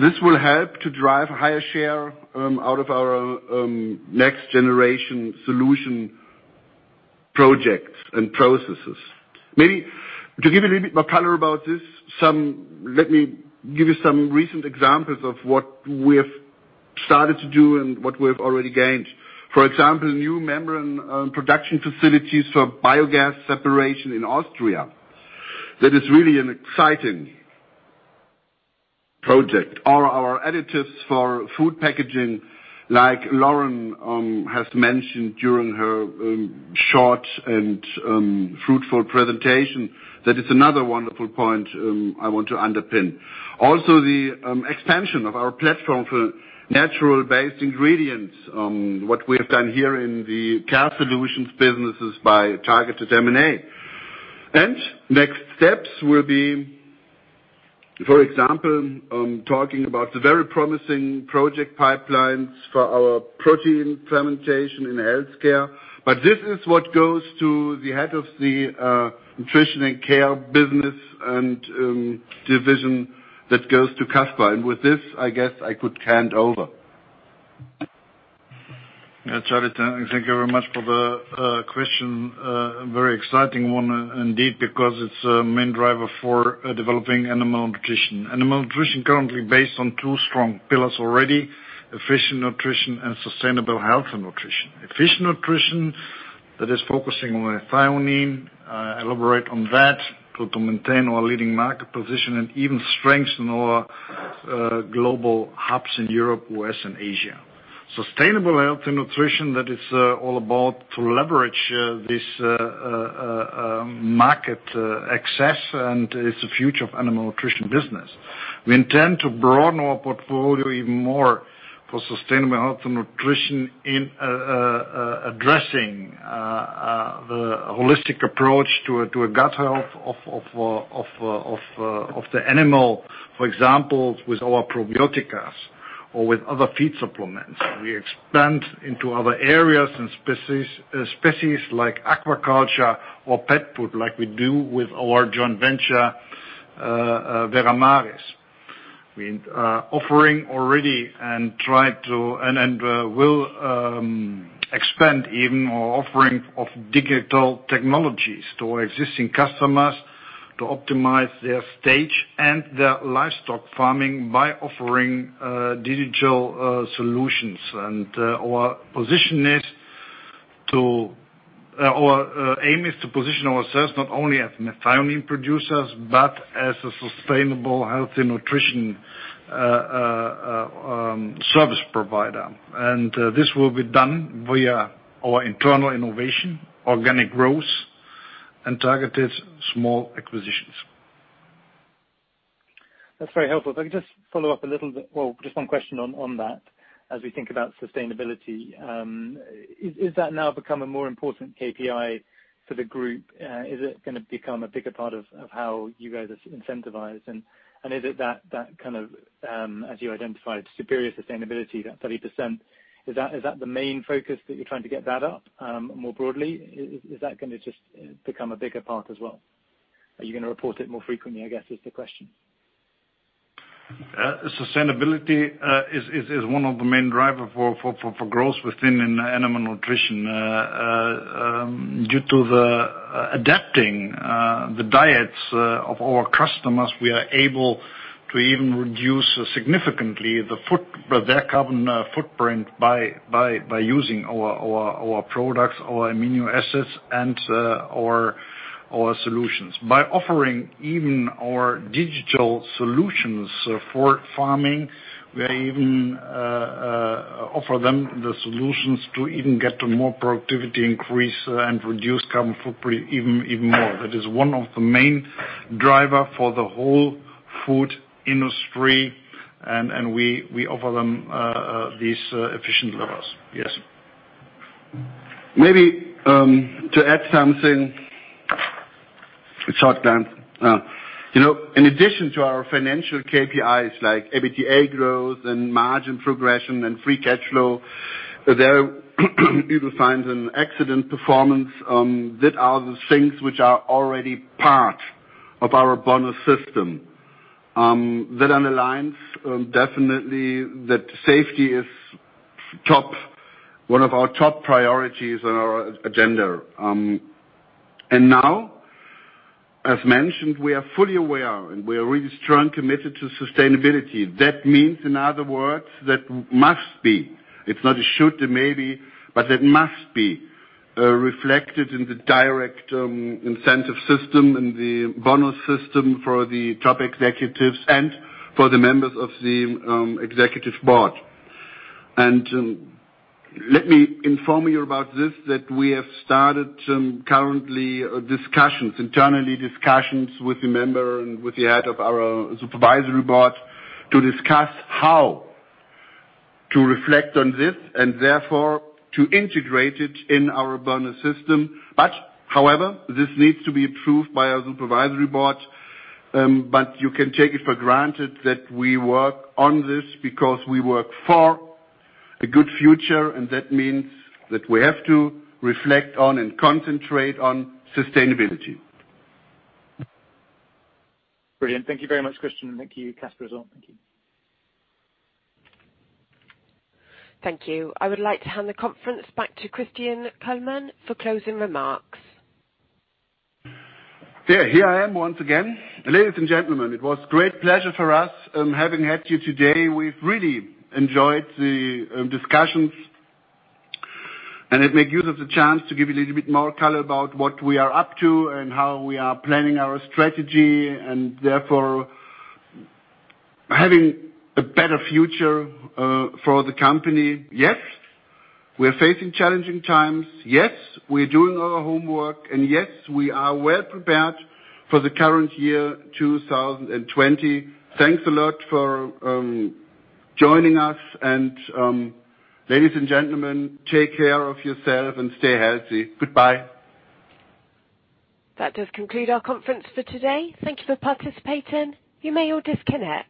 This will help to drive a higher share out of our next-generation solution projects and processes. To give a little bit more color about this, let me give you some recent examples of what we have started to do and what we have already gained. New membrane production facilities for biogas separation in Austria. That is really an exciting project. Our additives for food packaging, like Lauren has mentioned during her short and fruitful presentation. That is another wonderful point I want to underpin. The expansion of our platform for natural-based ingredients, what we have done here in the Care Solutions businesses by targeted M&A. Next steps will be, for example, talking about the very promising project pipelines for our protein fermentation in Health Care. This is what goes to the head of the Nutrition & Care business and division, that goes to Caspar. With this, I guess I could hand over. Yeah, Charlie, thank you very much for the question. A very exciting one indeed because it's a main driver for developing Animal Nutrition. Animal Nutrition currently based on two strong pillars already: efficient nutrition and sustainable health and nutrition. Efficient nutrition, that is focusing on methionine, elaborate on that to maintain our leading market position and even strengthen our global hubs in Europe, U.S., and Asia. Sustainable health and nutrition, that is all about to leverage this market access, and it's the future of Animal Nutrition business. We intend to broaden our portfolio even more for sustainable health and nutrition in addressing the holistic approach to a gut health of the animal. For example, with our probiotics or with other feed supplements. We expand into other areas and species like aquaculture or pet food like we do with our joint venture, Veramaris. We offering already and will expand even our offering of digital technologies to our existing customers to optimize their stage and their livestock farming by offering digital solutions. Our aim is to position ourselves not only as methionine producers, but as a sustainable healthy nutrition service provider. This will be done via our internal innovation, organic growth, and targeted small acquisitions. That's very helpful. If I could just follow up a little bit, well, just one question on that. As we think about sustainability, is that now become a more important KPI for the group? Is it gonna become a bigger part of how you guys are incentivized? Is it that kind of, as you identified, superior sustainability, that 30%, is that the main focus that you're trying to get that up more broadly? Is that gonna just become a bigger part as well? Are you gonna report it more frequently, I guess is the question. Sustainability is one of the main driver for growth within Animal Nutrition. Due to the adapting the diets of our customers, we are able to even reduce significantly their carbon footprint by using our products, our amino acids, and our solutions. By offering even our digital solutions for farming, we even offer them the solutions to even get to more productivity increase and reduce carbon footprint even more. That is one of the main driver for the whole food industry, and we offer them these efficient levels. Yes. Maybe to add something, short glance. In addition to our financial KPIs like EBITDA growth and margin progression and free cash flow, there Evo finds an excellent performance that are the things which are already part of our bonus system. That underlines definitely that safety is one of our top priorities on our agenda. Now, as mentioned, we are fully aware, and we are really strong committed to sustainability. That means, in other words, that must be. It’s not a should or maybe, but that must be reflected in the direct incentive system and the bonus system for the top executives and for the members of the Executive Board. Let me inform you about this, that we have started currently discussions, internally discussions, with the member and with the head of our supervisory board to discuss how to reflect on this and therefore to integrate it in our bonus system. However, this needs to be approved by our supervisory board. You can take it for granted that we work on this because we work for a good future, and that means that we have to reflect on and concentrate on sustainability. Brilliant. Thank you very much, Christian. Thank you, Caspar as well. Thank you. Thank you. I would like to hand the conference back to Christian Kullmann for closing remarks. There, here I am once again. Ladies and gentlemen, it was great pleasure for us having had you today. We've really enjoyed the discussions, and it make use of the chance to give you a little bit more color about what we are up to and how we are planning our strategy, and therefore having a better future for the company. Yes, we are facing challenging times. Yes, we are doing our homework, and yes, we are well prepared for the current year 2020. Thanks a lot for joining us and, ladies and gentlemen, take care of yourself and stay healthy. Goodbye. That does conclude our conference for today. Thank you for participating. You may all disconnect.